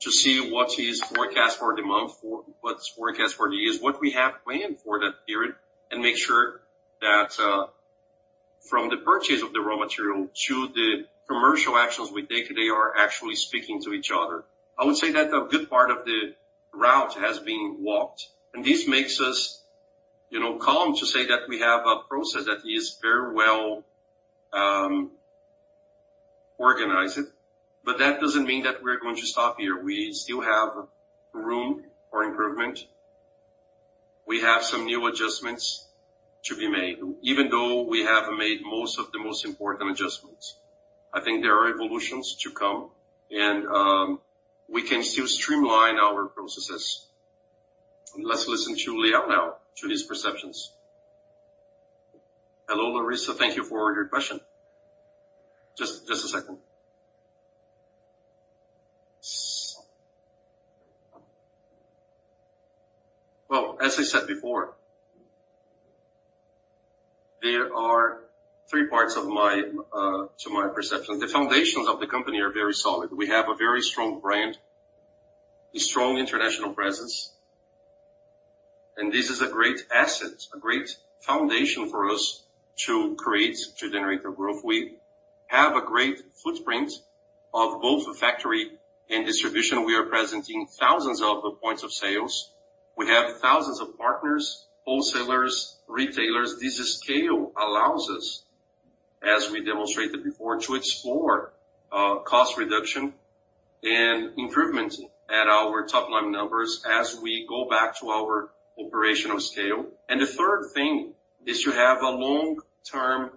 to see what is forecast for the month, for what's forecast for the years, what we have planned for that period, and make sure that from the purchase of the raw material to the commercial actions we take, they are actually speaking to each other. I would say that a good part of the route has been walked, and this makes us, you know, calm to say that we have a process that is very well organized. But that doesn't mean that we're going to stop here. We still have room for improvement. We have some new adjustments to be made, even though we have made most of the most important adjustments. I think there are evolutions to come, and we can still streamline our processes. Let's listen to Leo now, to his perceptions. Hello, Larissa. Thank you for your question. Just, just a second. Well, as I said before, there are three parts of my to my perception. The foundations of the company are very solid. We have a very strong brand, a strong international presence, and this is a great asset, a great foundation for us to create, to generate the growth. We have a great footprint of both the factory and distribution. We are present in thousands of points of sales. We have thousands of partners, wholesalers, retailers. This scale allows us, as we demonstrated before, to explore, cost reduction and improvement at our top-line numbers as we go back to our operational scale. And the third thing is to have a long-term,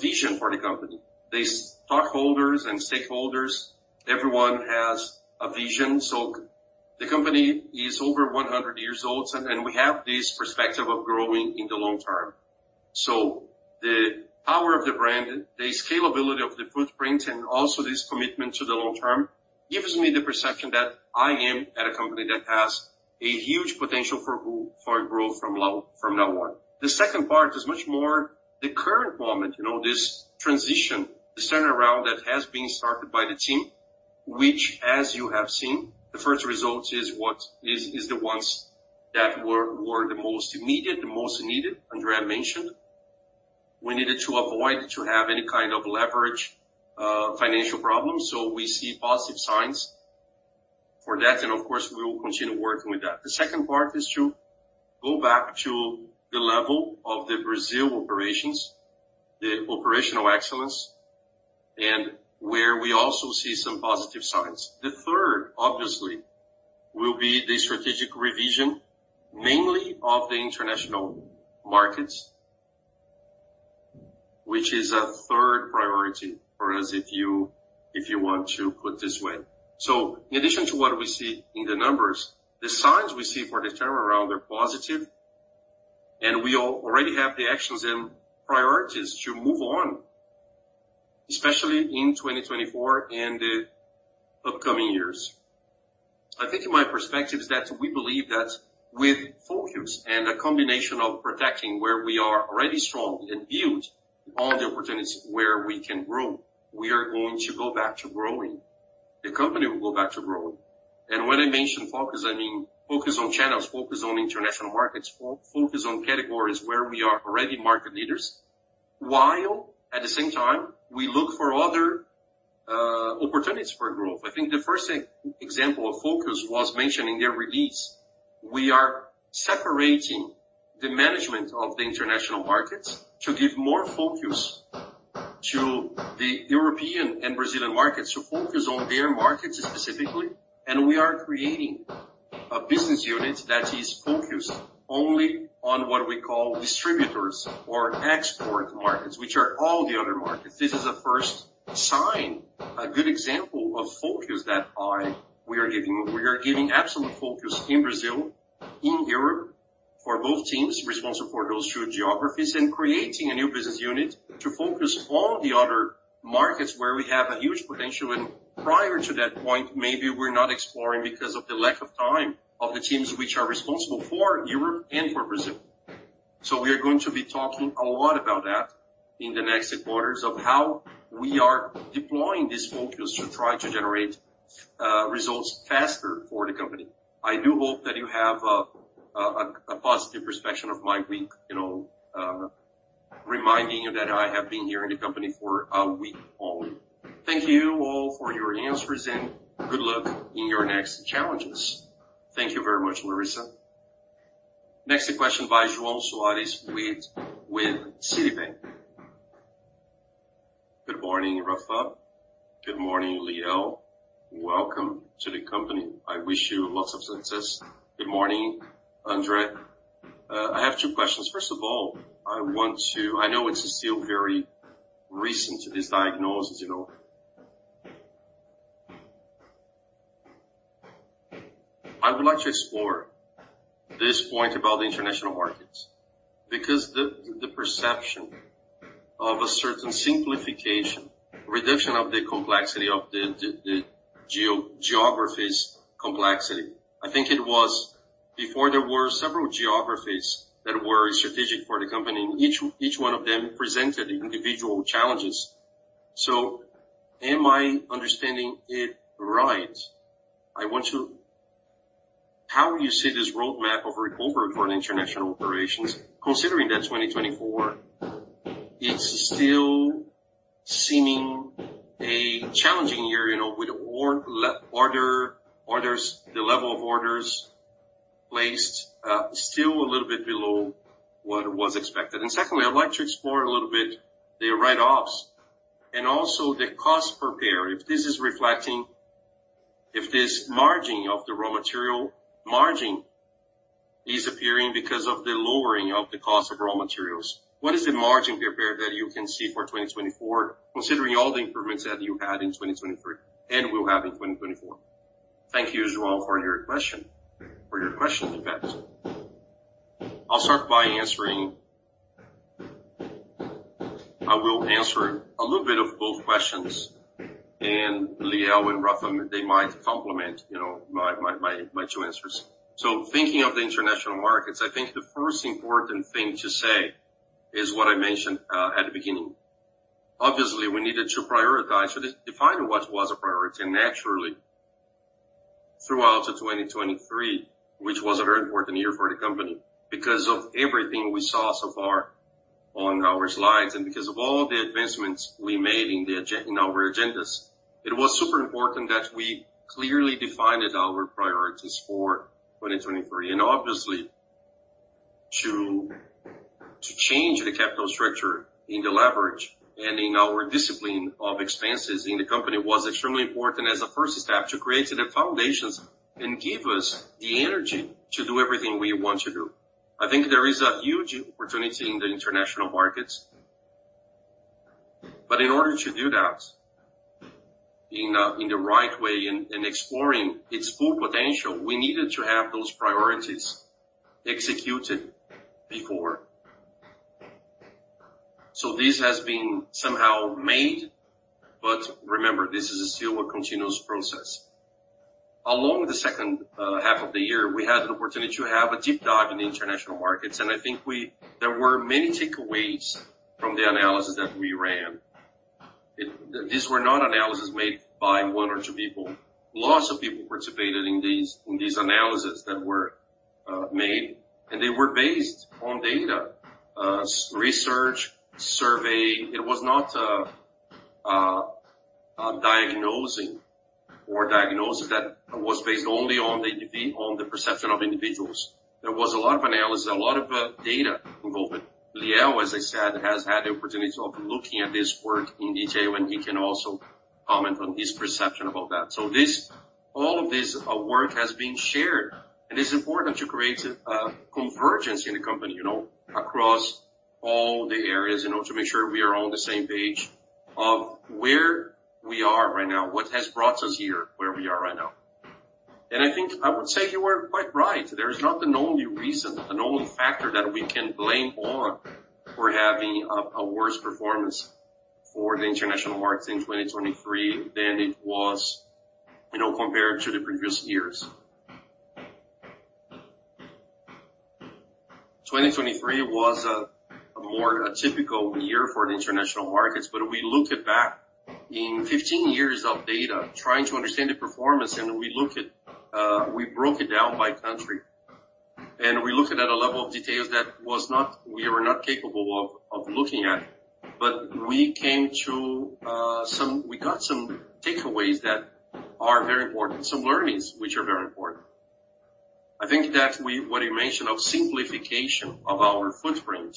vision for the company. The stockholders and stakeholders, everyone has a vision, so the company is over 100 years old, and, and we have this perspective of growing in the long term. So the power of the brand, the scalability of the footprint, and also this commitment to the long term, gives me the perception that I am at a company that has a huge potential for for growth from now, from now on. The second part is much more the current moment, you know, this transition, this turnaround that has been started by the team, which, as you have seen, the first results is what the ones that were the most immediate, the most needed. André mentioned we needed to avoid to have any kind of leverage, financial problems, so we see positive signs for that, and of course, we will continue working with that. The second part is to go back to the level of the Brazil operations, the operational excellence, and where we also see some positive signs. The third, obviously, will be the strategic revision, mainly of the international markets, which is a third priority for us, if you want to put this way. So in addition to what we see in the numbers, the signs we see for this turn around are positive, and we already have the actions and priorities to move on, especially in 2024 and the upcoming years. I think in my perspective is that we believe that with focus and a combination of protecting where we are already strong and build all the opportunities where we can grow, we are going to go back to growing. The company will go back to growing. When I mention focus, I mean focus on channels, focus on international markets, focus on categories where we are already market leaders, while at the same time we look for other opportunities for growth. I think the first example of focus was mentioned in the release. We are separating the management of the international markets to give more focus to the European and Brazilian markets, to focus on their markets specifically. We are creating a business unit that is focused only on what we call distributors or export markets, which are all the other markets. This is a first sign, a good example of focus that we are giving. We are giving absolute focus in Brazil, in Europe, for both teams responsible for those two geographies, and creating a new business unit to focus all the other markets where we have a huge potential, and prior to that point, maybe we're not exploring because of the lack of time of the teams which are responsible for Europe and for Brazil. So we are going to be talking a lot about that in the next quarters, of how we are deploying this focus to try to generate results faster for the company. I do hope that you have a positive perspective of my week, you know, reminding you that I have been here in the company for a week only. Thank you all for your answers and good luck in your next challenges. Thank you very much, Larissa. Next question by João Soares with Citibank. Good morning, Rafa. Good morning, Liel. Welcome to the company. I wish you lots of success. Good morning, André. I have two questions. First of all, I want to... I know it's still very recent, this diagnosis, you know. I would like to explore this point about the international markets, because the perception of a certain simplification, reduction of the complexity of the geographies complexity. I think it was before, there were several geographies that were strategic for the company, and each one of them presented individual challenges. So am I understanding it right? I want to-- How do you see this roadmap of recovery for international operations, considering that 2024, it's still seeming a challenging year, you know, with order levels, orders, the level of orders placed still a little bit below what was expected. Secondly, I'd like to explore a little bit the write-offs and also the cost per pair. If this is reflecting, if this margin of the raw material margin is appearing because of the lowering of the cost of raw materials, what is the margin per pair that you can see for 2024, considering all the improvements that you had in 2023, and will have in 2024? Thank you, João, for your question. For your questions, in fact. I'll start by answering. I will answer a little bit of both questions, and Liel and Rafa, they might complement, you know, my two answers. Thinking of the international markets, I think the first important thing to say is what I mentioned at the beginning. Obviously, we needed to prioritize or define what was a priority, and naturally, throughout 2023, which was a very important year for the company. Because of everything we saw so far on our slides, and because of all the advancements we made in our agendas, it was super important that we clearly defined our priorities for 2023, and obviously, to change the capital structure in the leverage and in our discipline of expenses in the company was extremely important as a first step to creating the foundations and give us the energy to do everything we want to do. I think there is a huge opportunity in the international markets. But in order to do that in the right way and exploring its full potential, we needed to have those priorities executed before. This has been somehow made, but remember, this is still a continuous process. Along the second half of the year, we had an opportunity to have a deep dive in the international markets, and I think there were many takeaways from the analysis that we ran. These were not analysis made by one or two people. Lots of people participated in these, in these analysis that were made, and they were based on data, research, survey. It was not a diagnosing or diagnosis that was based only on the perception of individuals. There was a lot of analysis, a lot of data involved. Leo, as I said, has had the opportunity of looking at this work in detail, and he can also comment on his perception about that. So all of this work has been shared, and it's important to create a convergence in the company, you know, across all the areas, in order to make sure we are all on the same page of where we are right now, what has brought us here, where we are right now. And I think I would say you are quite right. There is not an only reason, an only factor that we can blame on for having a worse performance for the international markets in 2023 than it was, you know, compared to the previous years. 2023 was a more typical year for the international markets, but we looked at back in 15 years of data, trying to understand the performance, and we looked at, We broke it down by country, and we looked at a level of details that we were not capable of looking at. But we came to some takeaways that are very important, some learnings which are very important. I think that what you mentioned of simplification of our footprint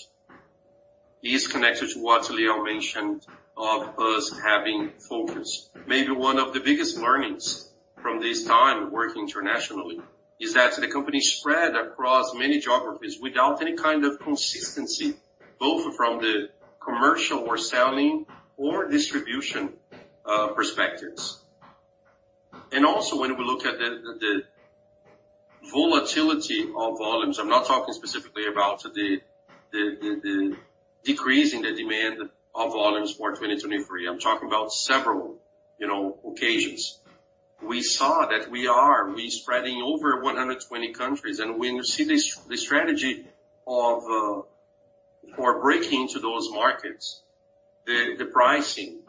is connected to what Leo mentioned of us having focus. Maybe one of the biggest learnings from this time working internationally is that the company spread across many geographies without any kind of consistency, both from the commercial or selling or distribution perspectives. And also when we look at the volatility of volumes, I'm not talking specifically about the decrease in the demand of volumes for 2023. I'm talking about several, you know, occasions. We saw that we are, we spreading over 120 countries, and when you see the the strategy of for breaking into those markets, the, the pricing,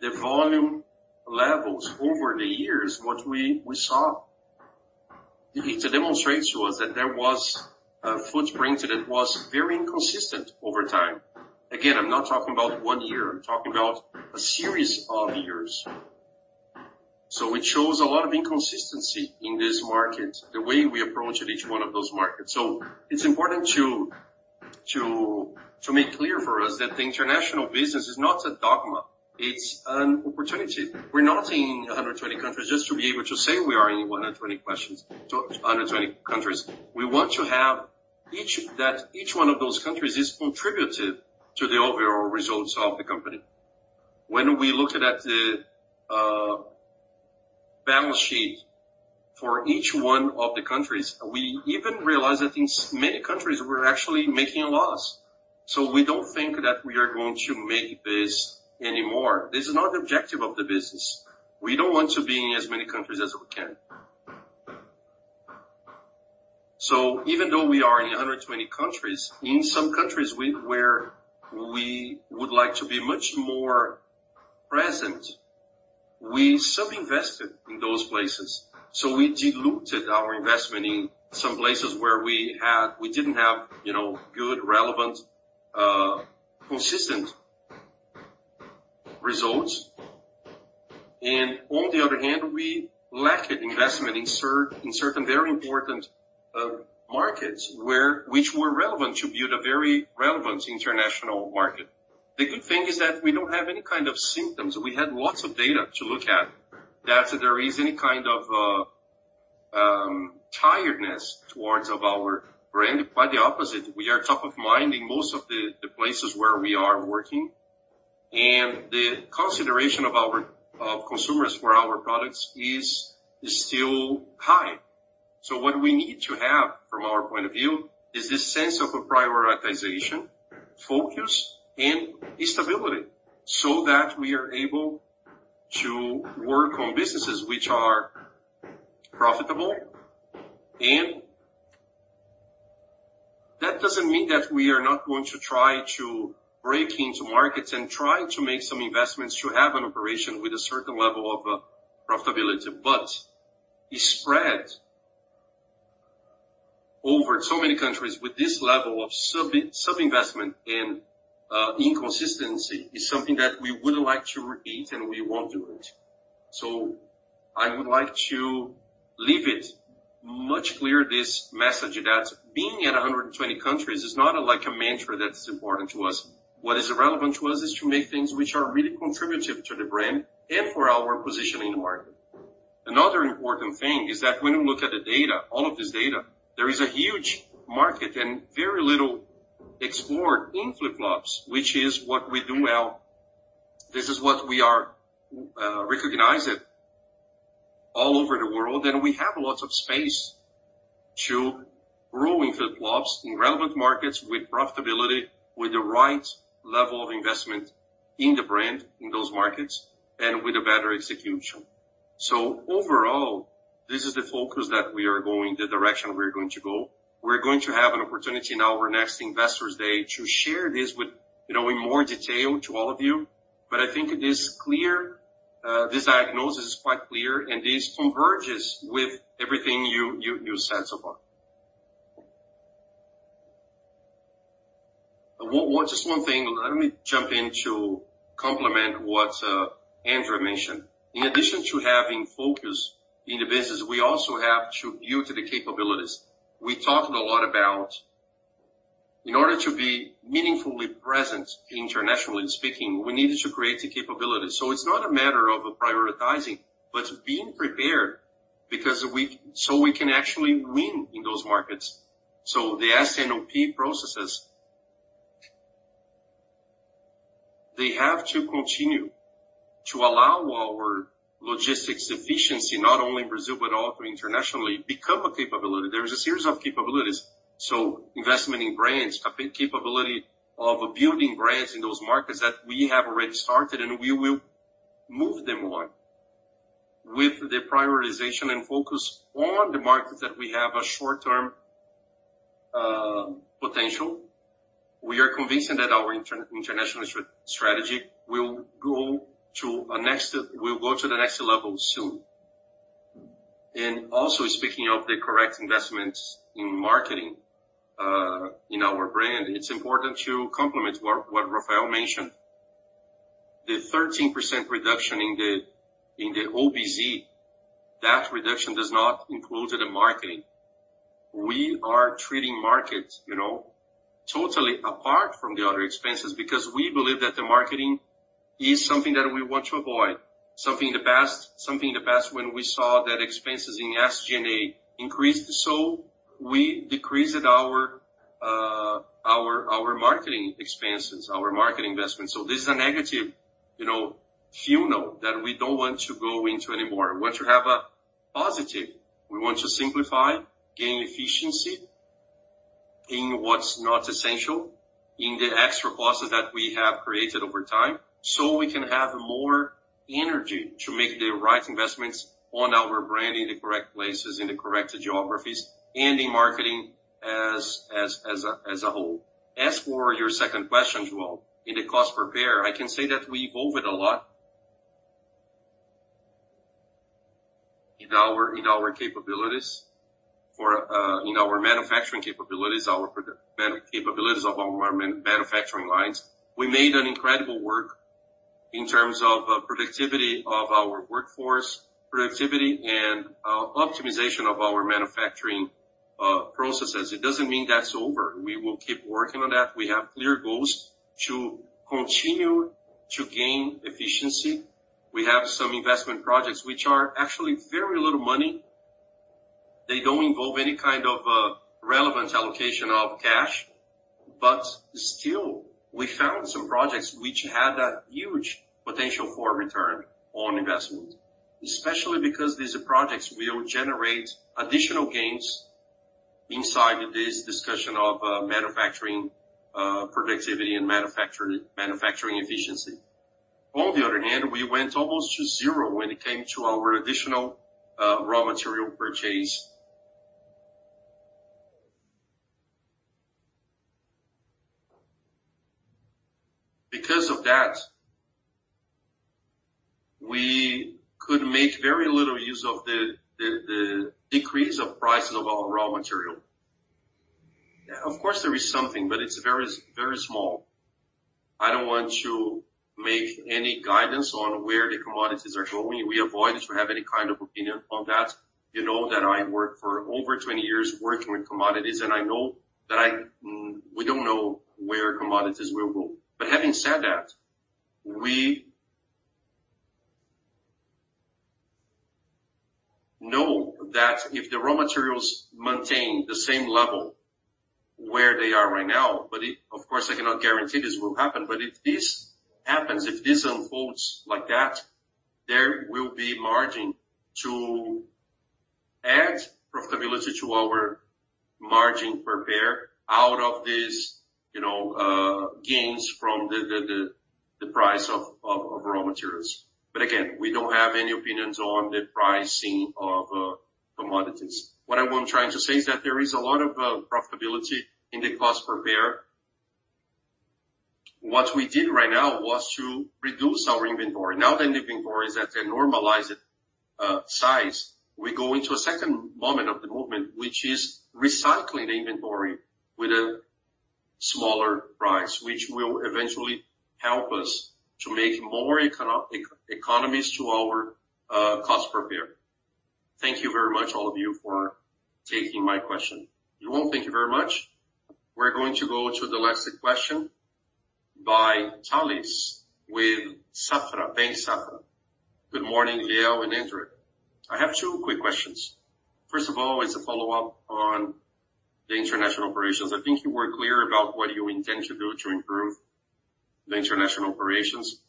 the volume levels over the years, what we, we saw, it demonstrates to us that there was a footprint that it was very inconsistent over time. Again, I'm not talking about one year; I'm talking about a series of years. So it shows a lot of inconsistency in this market, the way we approached each one of those markets. So it's important to, to, to make clear for us that the international business is not a dogma, it's an opportunity. We're not in 120 countries just to be able to say we are in 120 countries. We want to have each... That each one of those countries is contributive to the overall results of the company. When we looked at the balance sheet for each one of the countries, we even realized that in many countries, we're actually making a loss. So we don't think that we are going to make this anymore. This is not the objective of the business. We don't want to be in as many countries as we can. So even though we are in 120 countries, in some countries where we would like to be much more present, we sub-invested in those places. So we diluted our investment in some places where we had we didn't have, you know, good, relevant, consistent results. On the other hand, we lacked investment in certain very important markets, which were relevant to build a very relevant international market. The good thing is that we don't have any kind of symptoms. We had lots of data to look at that there is any kind of tiredness towards our brand. Quite the opposite, we are top of mind in most of the places where we are working, and the consideration of our consumers for our products is still high. So what we need to have from our point of view is this sense of a prioritization, focus, and stability so that we are able to work on businesses which are profitable. That doesn't mean that we are not going to try to break into markets and try to make some investments to have an operation with a certain level of profitability. But the spread over so many countries with this level of sub-investment and inconsistency is something that we wouldn't like to repeat, and we won't do it. So I would like to leave it much clear, this message, that being in 120 countries is not like a mantra that's important to us. What is relevant to us is to make things which are really contributive to the brand and for our position in the market. Another important thing is that when you look at the data, all of this data, there is a huge market and very little explored in flip-flops, which is what we do well. This is what we are recognized all over the world, and we have lots of space to growing flip-flops in relevant markets with profitability, with the right level of investment in the brand in those markets, and with a better execution. So overall, this is the focus that we are going, the direction we're going to go. We're going to have an opportunity in our next Investors Day to share this with, you know, in more detail to all of you. But I think it is clear, this diagnosis is quite clear, and this converges with everything you said so far. Just one thing, let me jump in to complement what André mentioned. In addition to having focus in the business, we also have to view to the capabilities. We talked a lot about, in order to be meaningfully present, internationally speaking, we needed to create the capabilities. So it's not a matter of prioritizing, but being prepared because so we can actually win in those markets. So the S&OP processes, they have to continue to allow our logistics efficiency, not only in Brazil, but also internationally, become a capability. There is a series of capabilities, so investment in brands, capability of building brands in those markets that we have already started, and we will move them on. With the prioritization and focus on the markets that we have a short-term potential, we are convinced that our international strategy will go to the next level soon. And also, speaking of the correct investments in marketing, in our brand, it's important to complement what Rafael mentioned. The 13% reduction in the, in the ZBB, that reduction does not include the marketing. We are treating marketing, you know, totally apart from the other expenses, because we believe that the marketing is something that we want to avoid. Something in the past, something in the past, when we saw that expenses in SG&A increased, so we decreased our, our, our marketing expenses, our marketing investment. So this is a negative, you know, funnel that we don't want to go into anymore. We want to have a positive. We want to simplify, gain efficiency in what's not essential, in the extra costs that we have created over time, so we can have more energy to make the right investments on our brand, in the correct places, in the correct geographies, and in marketing as, as, as a, as a whole. As for your second question, João, in the cost per pair, I can say that we evolved a lot in our, in our capabilities for, in our manufacturing capabilities, our manufacturing capabilities of our manufacturing lines. We made an incredible work in terms of productivity of our workforce, productivity and optimization of our manufacturing processes. It doesn't mean that's over. We will keep working on that. We have clear goals to continue to gain efficiency. We have some investment projects which are actually very little money. They don't involve any kind of relevant allocation of cash, but still, we found some projects which had that huge potential for return on investment. Especially because these projects will generate additional gains inside this discussion of manufacturing productivity and manufacturing efficiency. On the other hand, we went almost to zero when it came to our additional raw material purchase. Because of that, we could make very little use of the decrease of prices of our raw material. Of course, there is something, but it's very, very small. I don't want to make any guidance on where the commodities are going. We avoid to have any kind of opinion on that. You know that I worked for over 20 years working with commodities, and I know that we don't know where commodities will go. But having said that, we know that if the raw materials maintain the same level where they are right now, but of course, I cannot guarantee this will happen, but if this happens, if this unfolds like that, there will be margin to add profitability to our margin per pair out of these, you know, gains from the price of raw materials. But again, we don't have any opinions on the pricing of commodities. What I want trying to say is that there is a lot of profitability in the cost per pair. What we did right now was to reduce our inventory. Now that the inventory is at a normalized size, we go into a second moment of the movement, which is recycling the inventory with a smaller price, which will eventually help us to make more economies to our cost per pair. Thank you very much, all of you, for taking my question. João, thank you very much. We're going to go to the last question by Tales, with Safra, Banco Safra. "Good morning, Liel and André. I have two quick questions. First of all, it's a follow-up on the international operations. I think you were clear about what you intend to do to improve the international operations,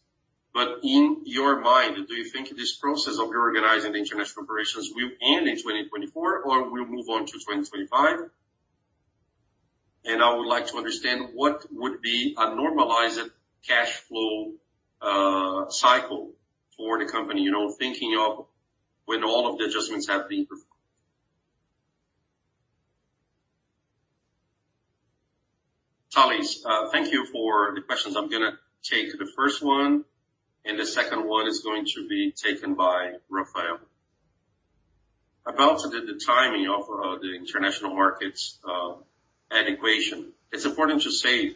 but in your mind, do you think this process of reorganizing the international operations will end in 2024 or will move on to 2025? I would like to understand what would be a normalized cash flow cycle for the company, you know, thinking of when all of the adjustments have been improved. Tales, thank you for the questions. I'm going to take the first one, and the second one is going to be taken by Rafael. About the timing of the international markets adaptation. It's important to say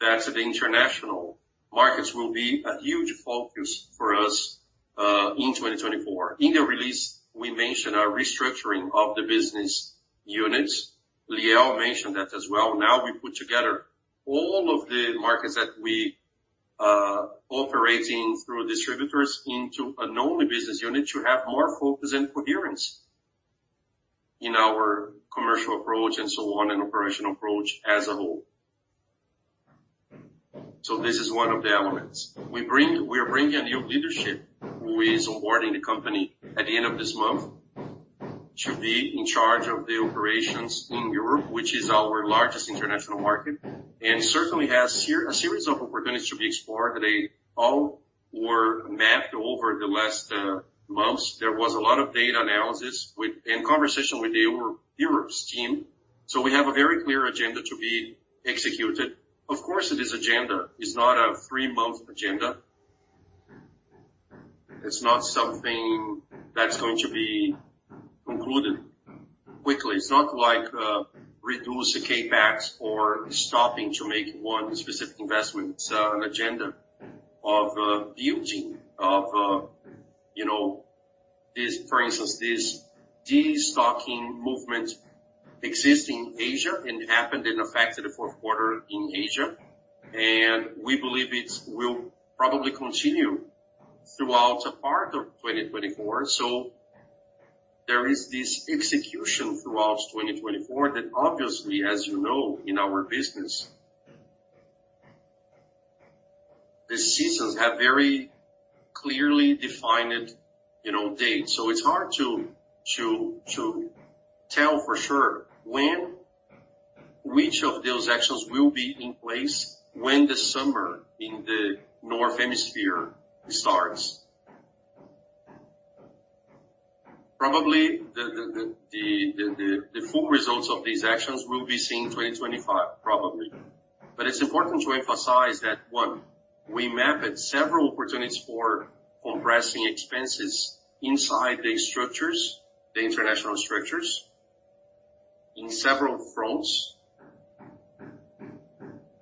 that the international markets will be a huge focus for us in 2024. In the release, we mentioned a restructuring of the business units. Liel mentioned that as well. Now, we put together all of the markets that we operating through distributors into a normal business unit to have more focus and coherence in our commercial approach, and so on, and operational approach as a whole. So this is one of the elements. We are bringing a new leadership who is awarding the company at the end of this month, to be in charge of the operations in Europe, which is our largest international market, and certainly has a series of opportunities to be explored. They all were mapped over the last months. There was a lot of data analysis with, in conversation with the Europe's team. So we have a very clear agenda to be executed. Of course, this agenda is not a three-month agenda. It's not something that's going to be concluded quickly. It's not like reduce the CapEx or stopping to make one specific investment. It's an agenda of building, of you know, this... For instance, this destocking movement exists in Asia and happened and affected the fourth quarter in Asia, and we believe it will probably continue throughout a part of 2024. So there is this execution throughout 2024 that obviously, as you know, in our business, the seasons have very clearly defined, you know, dates. So it's hard to tell for sure when which of those actions will be in place when the summer in the Northern Hemisphere starts. Probably the full results of these actions will be seen in 2025, probably. But it's important to emphasize that, one, we mapped several opportunities for compressing expenses inside the structures, the international structures, in several fronts,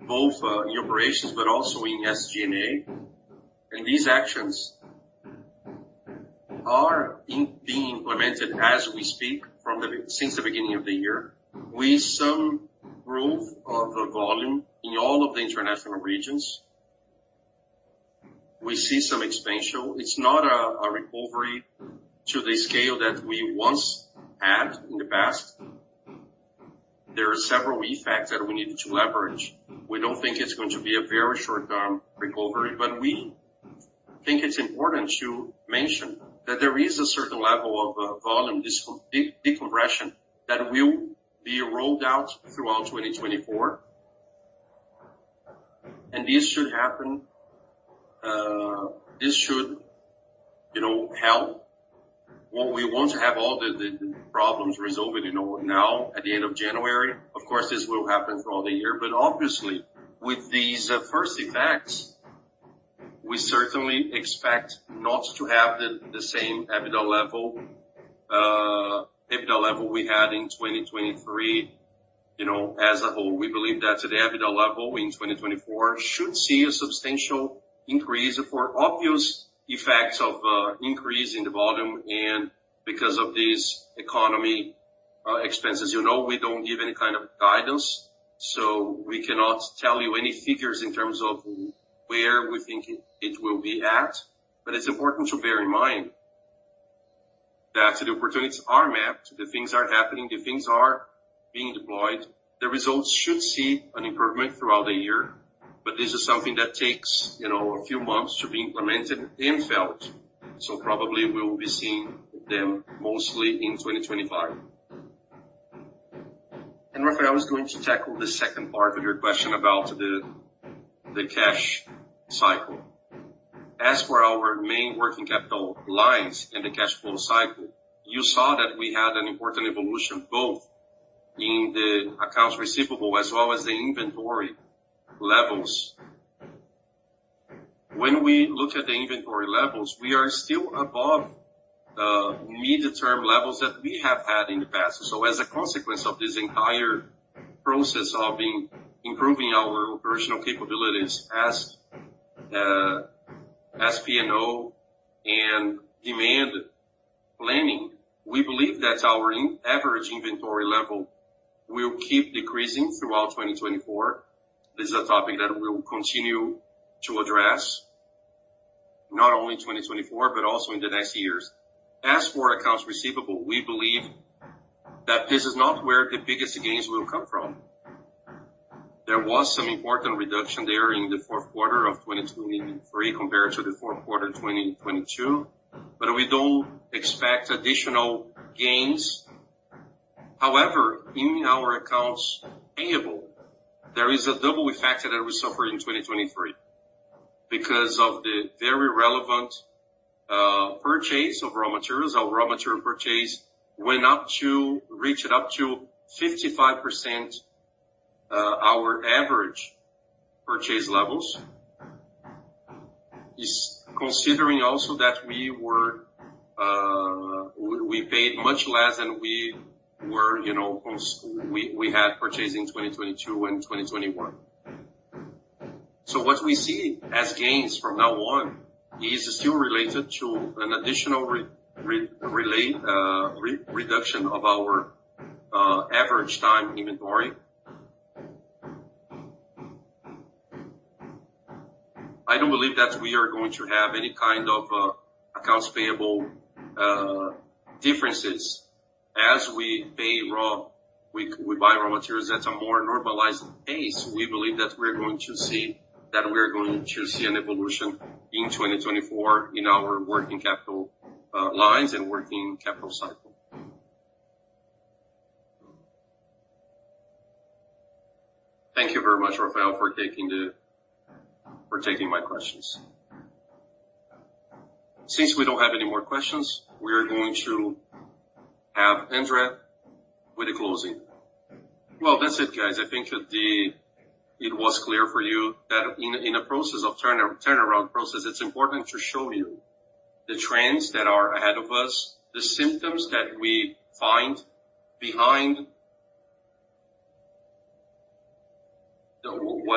both in operations, but also in SG&A. And these actions are being implemented as we speak since the beginning of the year. With some growth of the volume in all of the international regions, we see some expansion. It's not a recovery to the scale that we once had in the past. There are several effects that we need to leverage. We don't think it's going to be a very short-term recovery, but we think it's important to mention that there is a certain level of volume, this decompression, that will be rolled out throughout 2024. And this should happen, you know, help. Well, we want to have all the problems resolved, you know, now at the end of January. Of course, this will happen throughout the year, but obviously, with these first effects, we certainly expect not to have the same EBITDA level we had in 2023, you know, as a whole. We believe that the EBITDA level in 2024 should see a substantial increase for obvious effects of increase in the volume and because of this economy, expenses. You know, we don't give any kind of guidance, so we cannot tell you any figures in terms of where we think it will be at. But it's important to bear in mind that the opportunities are mapped, the things are happening, the things are being deployed. The results should see an improvement throughout the year, but this is something that takes, you know, a few months to be implemented and felt. So probably we will be seeing them mostly in 2025. And Rafael, I was going to tackle the second part of your question about the cash cycle. As for our main working capital lines in the cash flow cycle, you saw that we had an important evolution, both in the accounts receivable as well as the inventory levels. When we look at the inventory levels, we are still above medium-term levels that we have had in the past. So as a consequence of this entire process of improving our operational capabilities as S&OP and demand planning, we believe that our average inventory level will keep decreasing throughout 2024. This is a topic that we will continue to address... not only 2024, but also in the next years. As for accounts receivable, we believe that this is not where the biggest gains will come from. There was some important reduction there in the fourth quarter of 2023 compared to the fourth quarter 2022, but we don't expect additional gains. However, in our accounts payable, there is a double effect that we suffered in 2023 because of the very relevant purchase of raw materials. Our raw material purchase went up to, reached up to 55%, our average purchase levels. It's considering also that we were, we paid much less than we were, you know, we had purchased in 2022 and 2021. So what we see as gains from now on is still related to an additional reduction of our average time inventory. I don't believe that we are going to have any kind of accounts payable differences as we pay raw materials. We buy raw materials at a more normalized pace. We believe that we're going to see, that we are going to see an evolution in 2024 in our working capital lines and working capital cycle. Thank you very much, Rafael, for taking my questions. Since we don't have any more questions, we are going to have André with the closing. Well, that's it, guys. I think that it was clear for you that in a process of turnaround process, it's important to show you the trends that are ahead of us, the symptoms that we find behind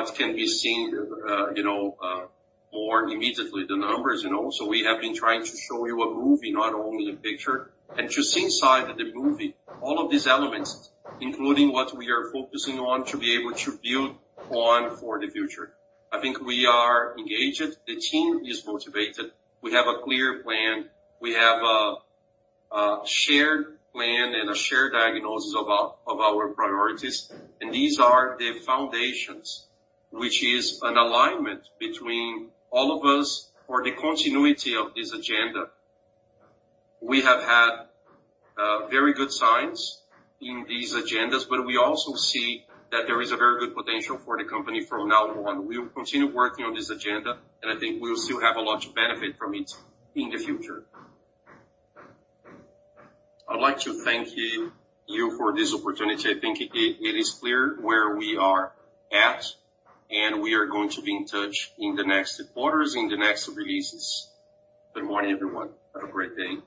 what can be seen, you know, more immediately, the numbers, you know. So we have been trying to show you a movie, not only a picture, and to see inside the movie, all of these elements, including what we are focusing on, to be able to build on for the future. I think we are engaged, the team is motivated. We have a clear plan. We have a shared plan and a shared diagnosis of our priorities. These are the foundations, which is an alignment between all of us for the continuity of this agenda. We have had very good signs in these agendas, but we also see that there is a very good potential for the company from now on. We will continue working on this agenda, and I think we will still have a lot to benefit from it in the future. I'd like to thank you for this opportunity. I think it is clear where we are at, and we are going to be in touch in the next quarters, in the next releases. Good morning, everyone. Have a great day.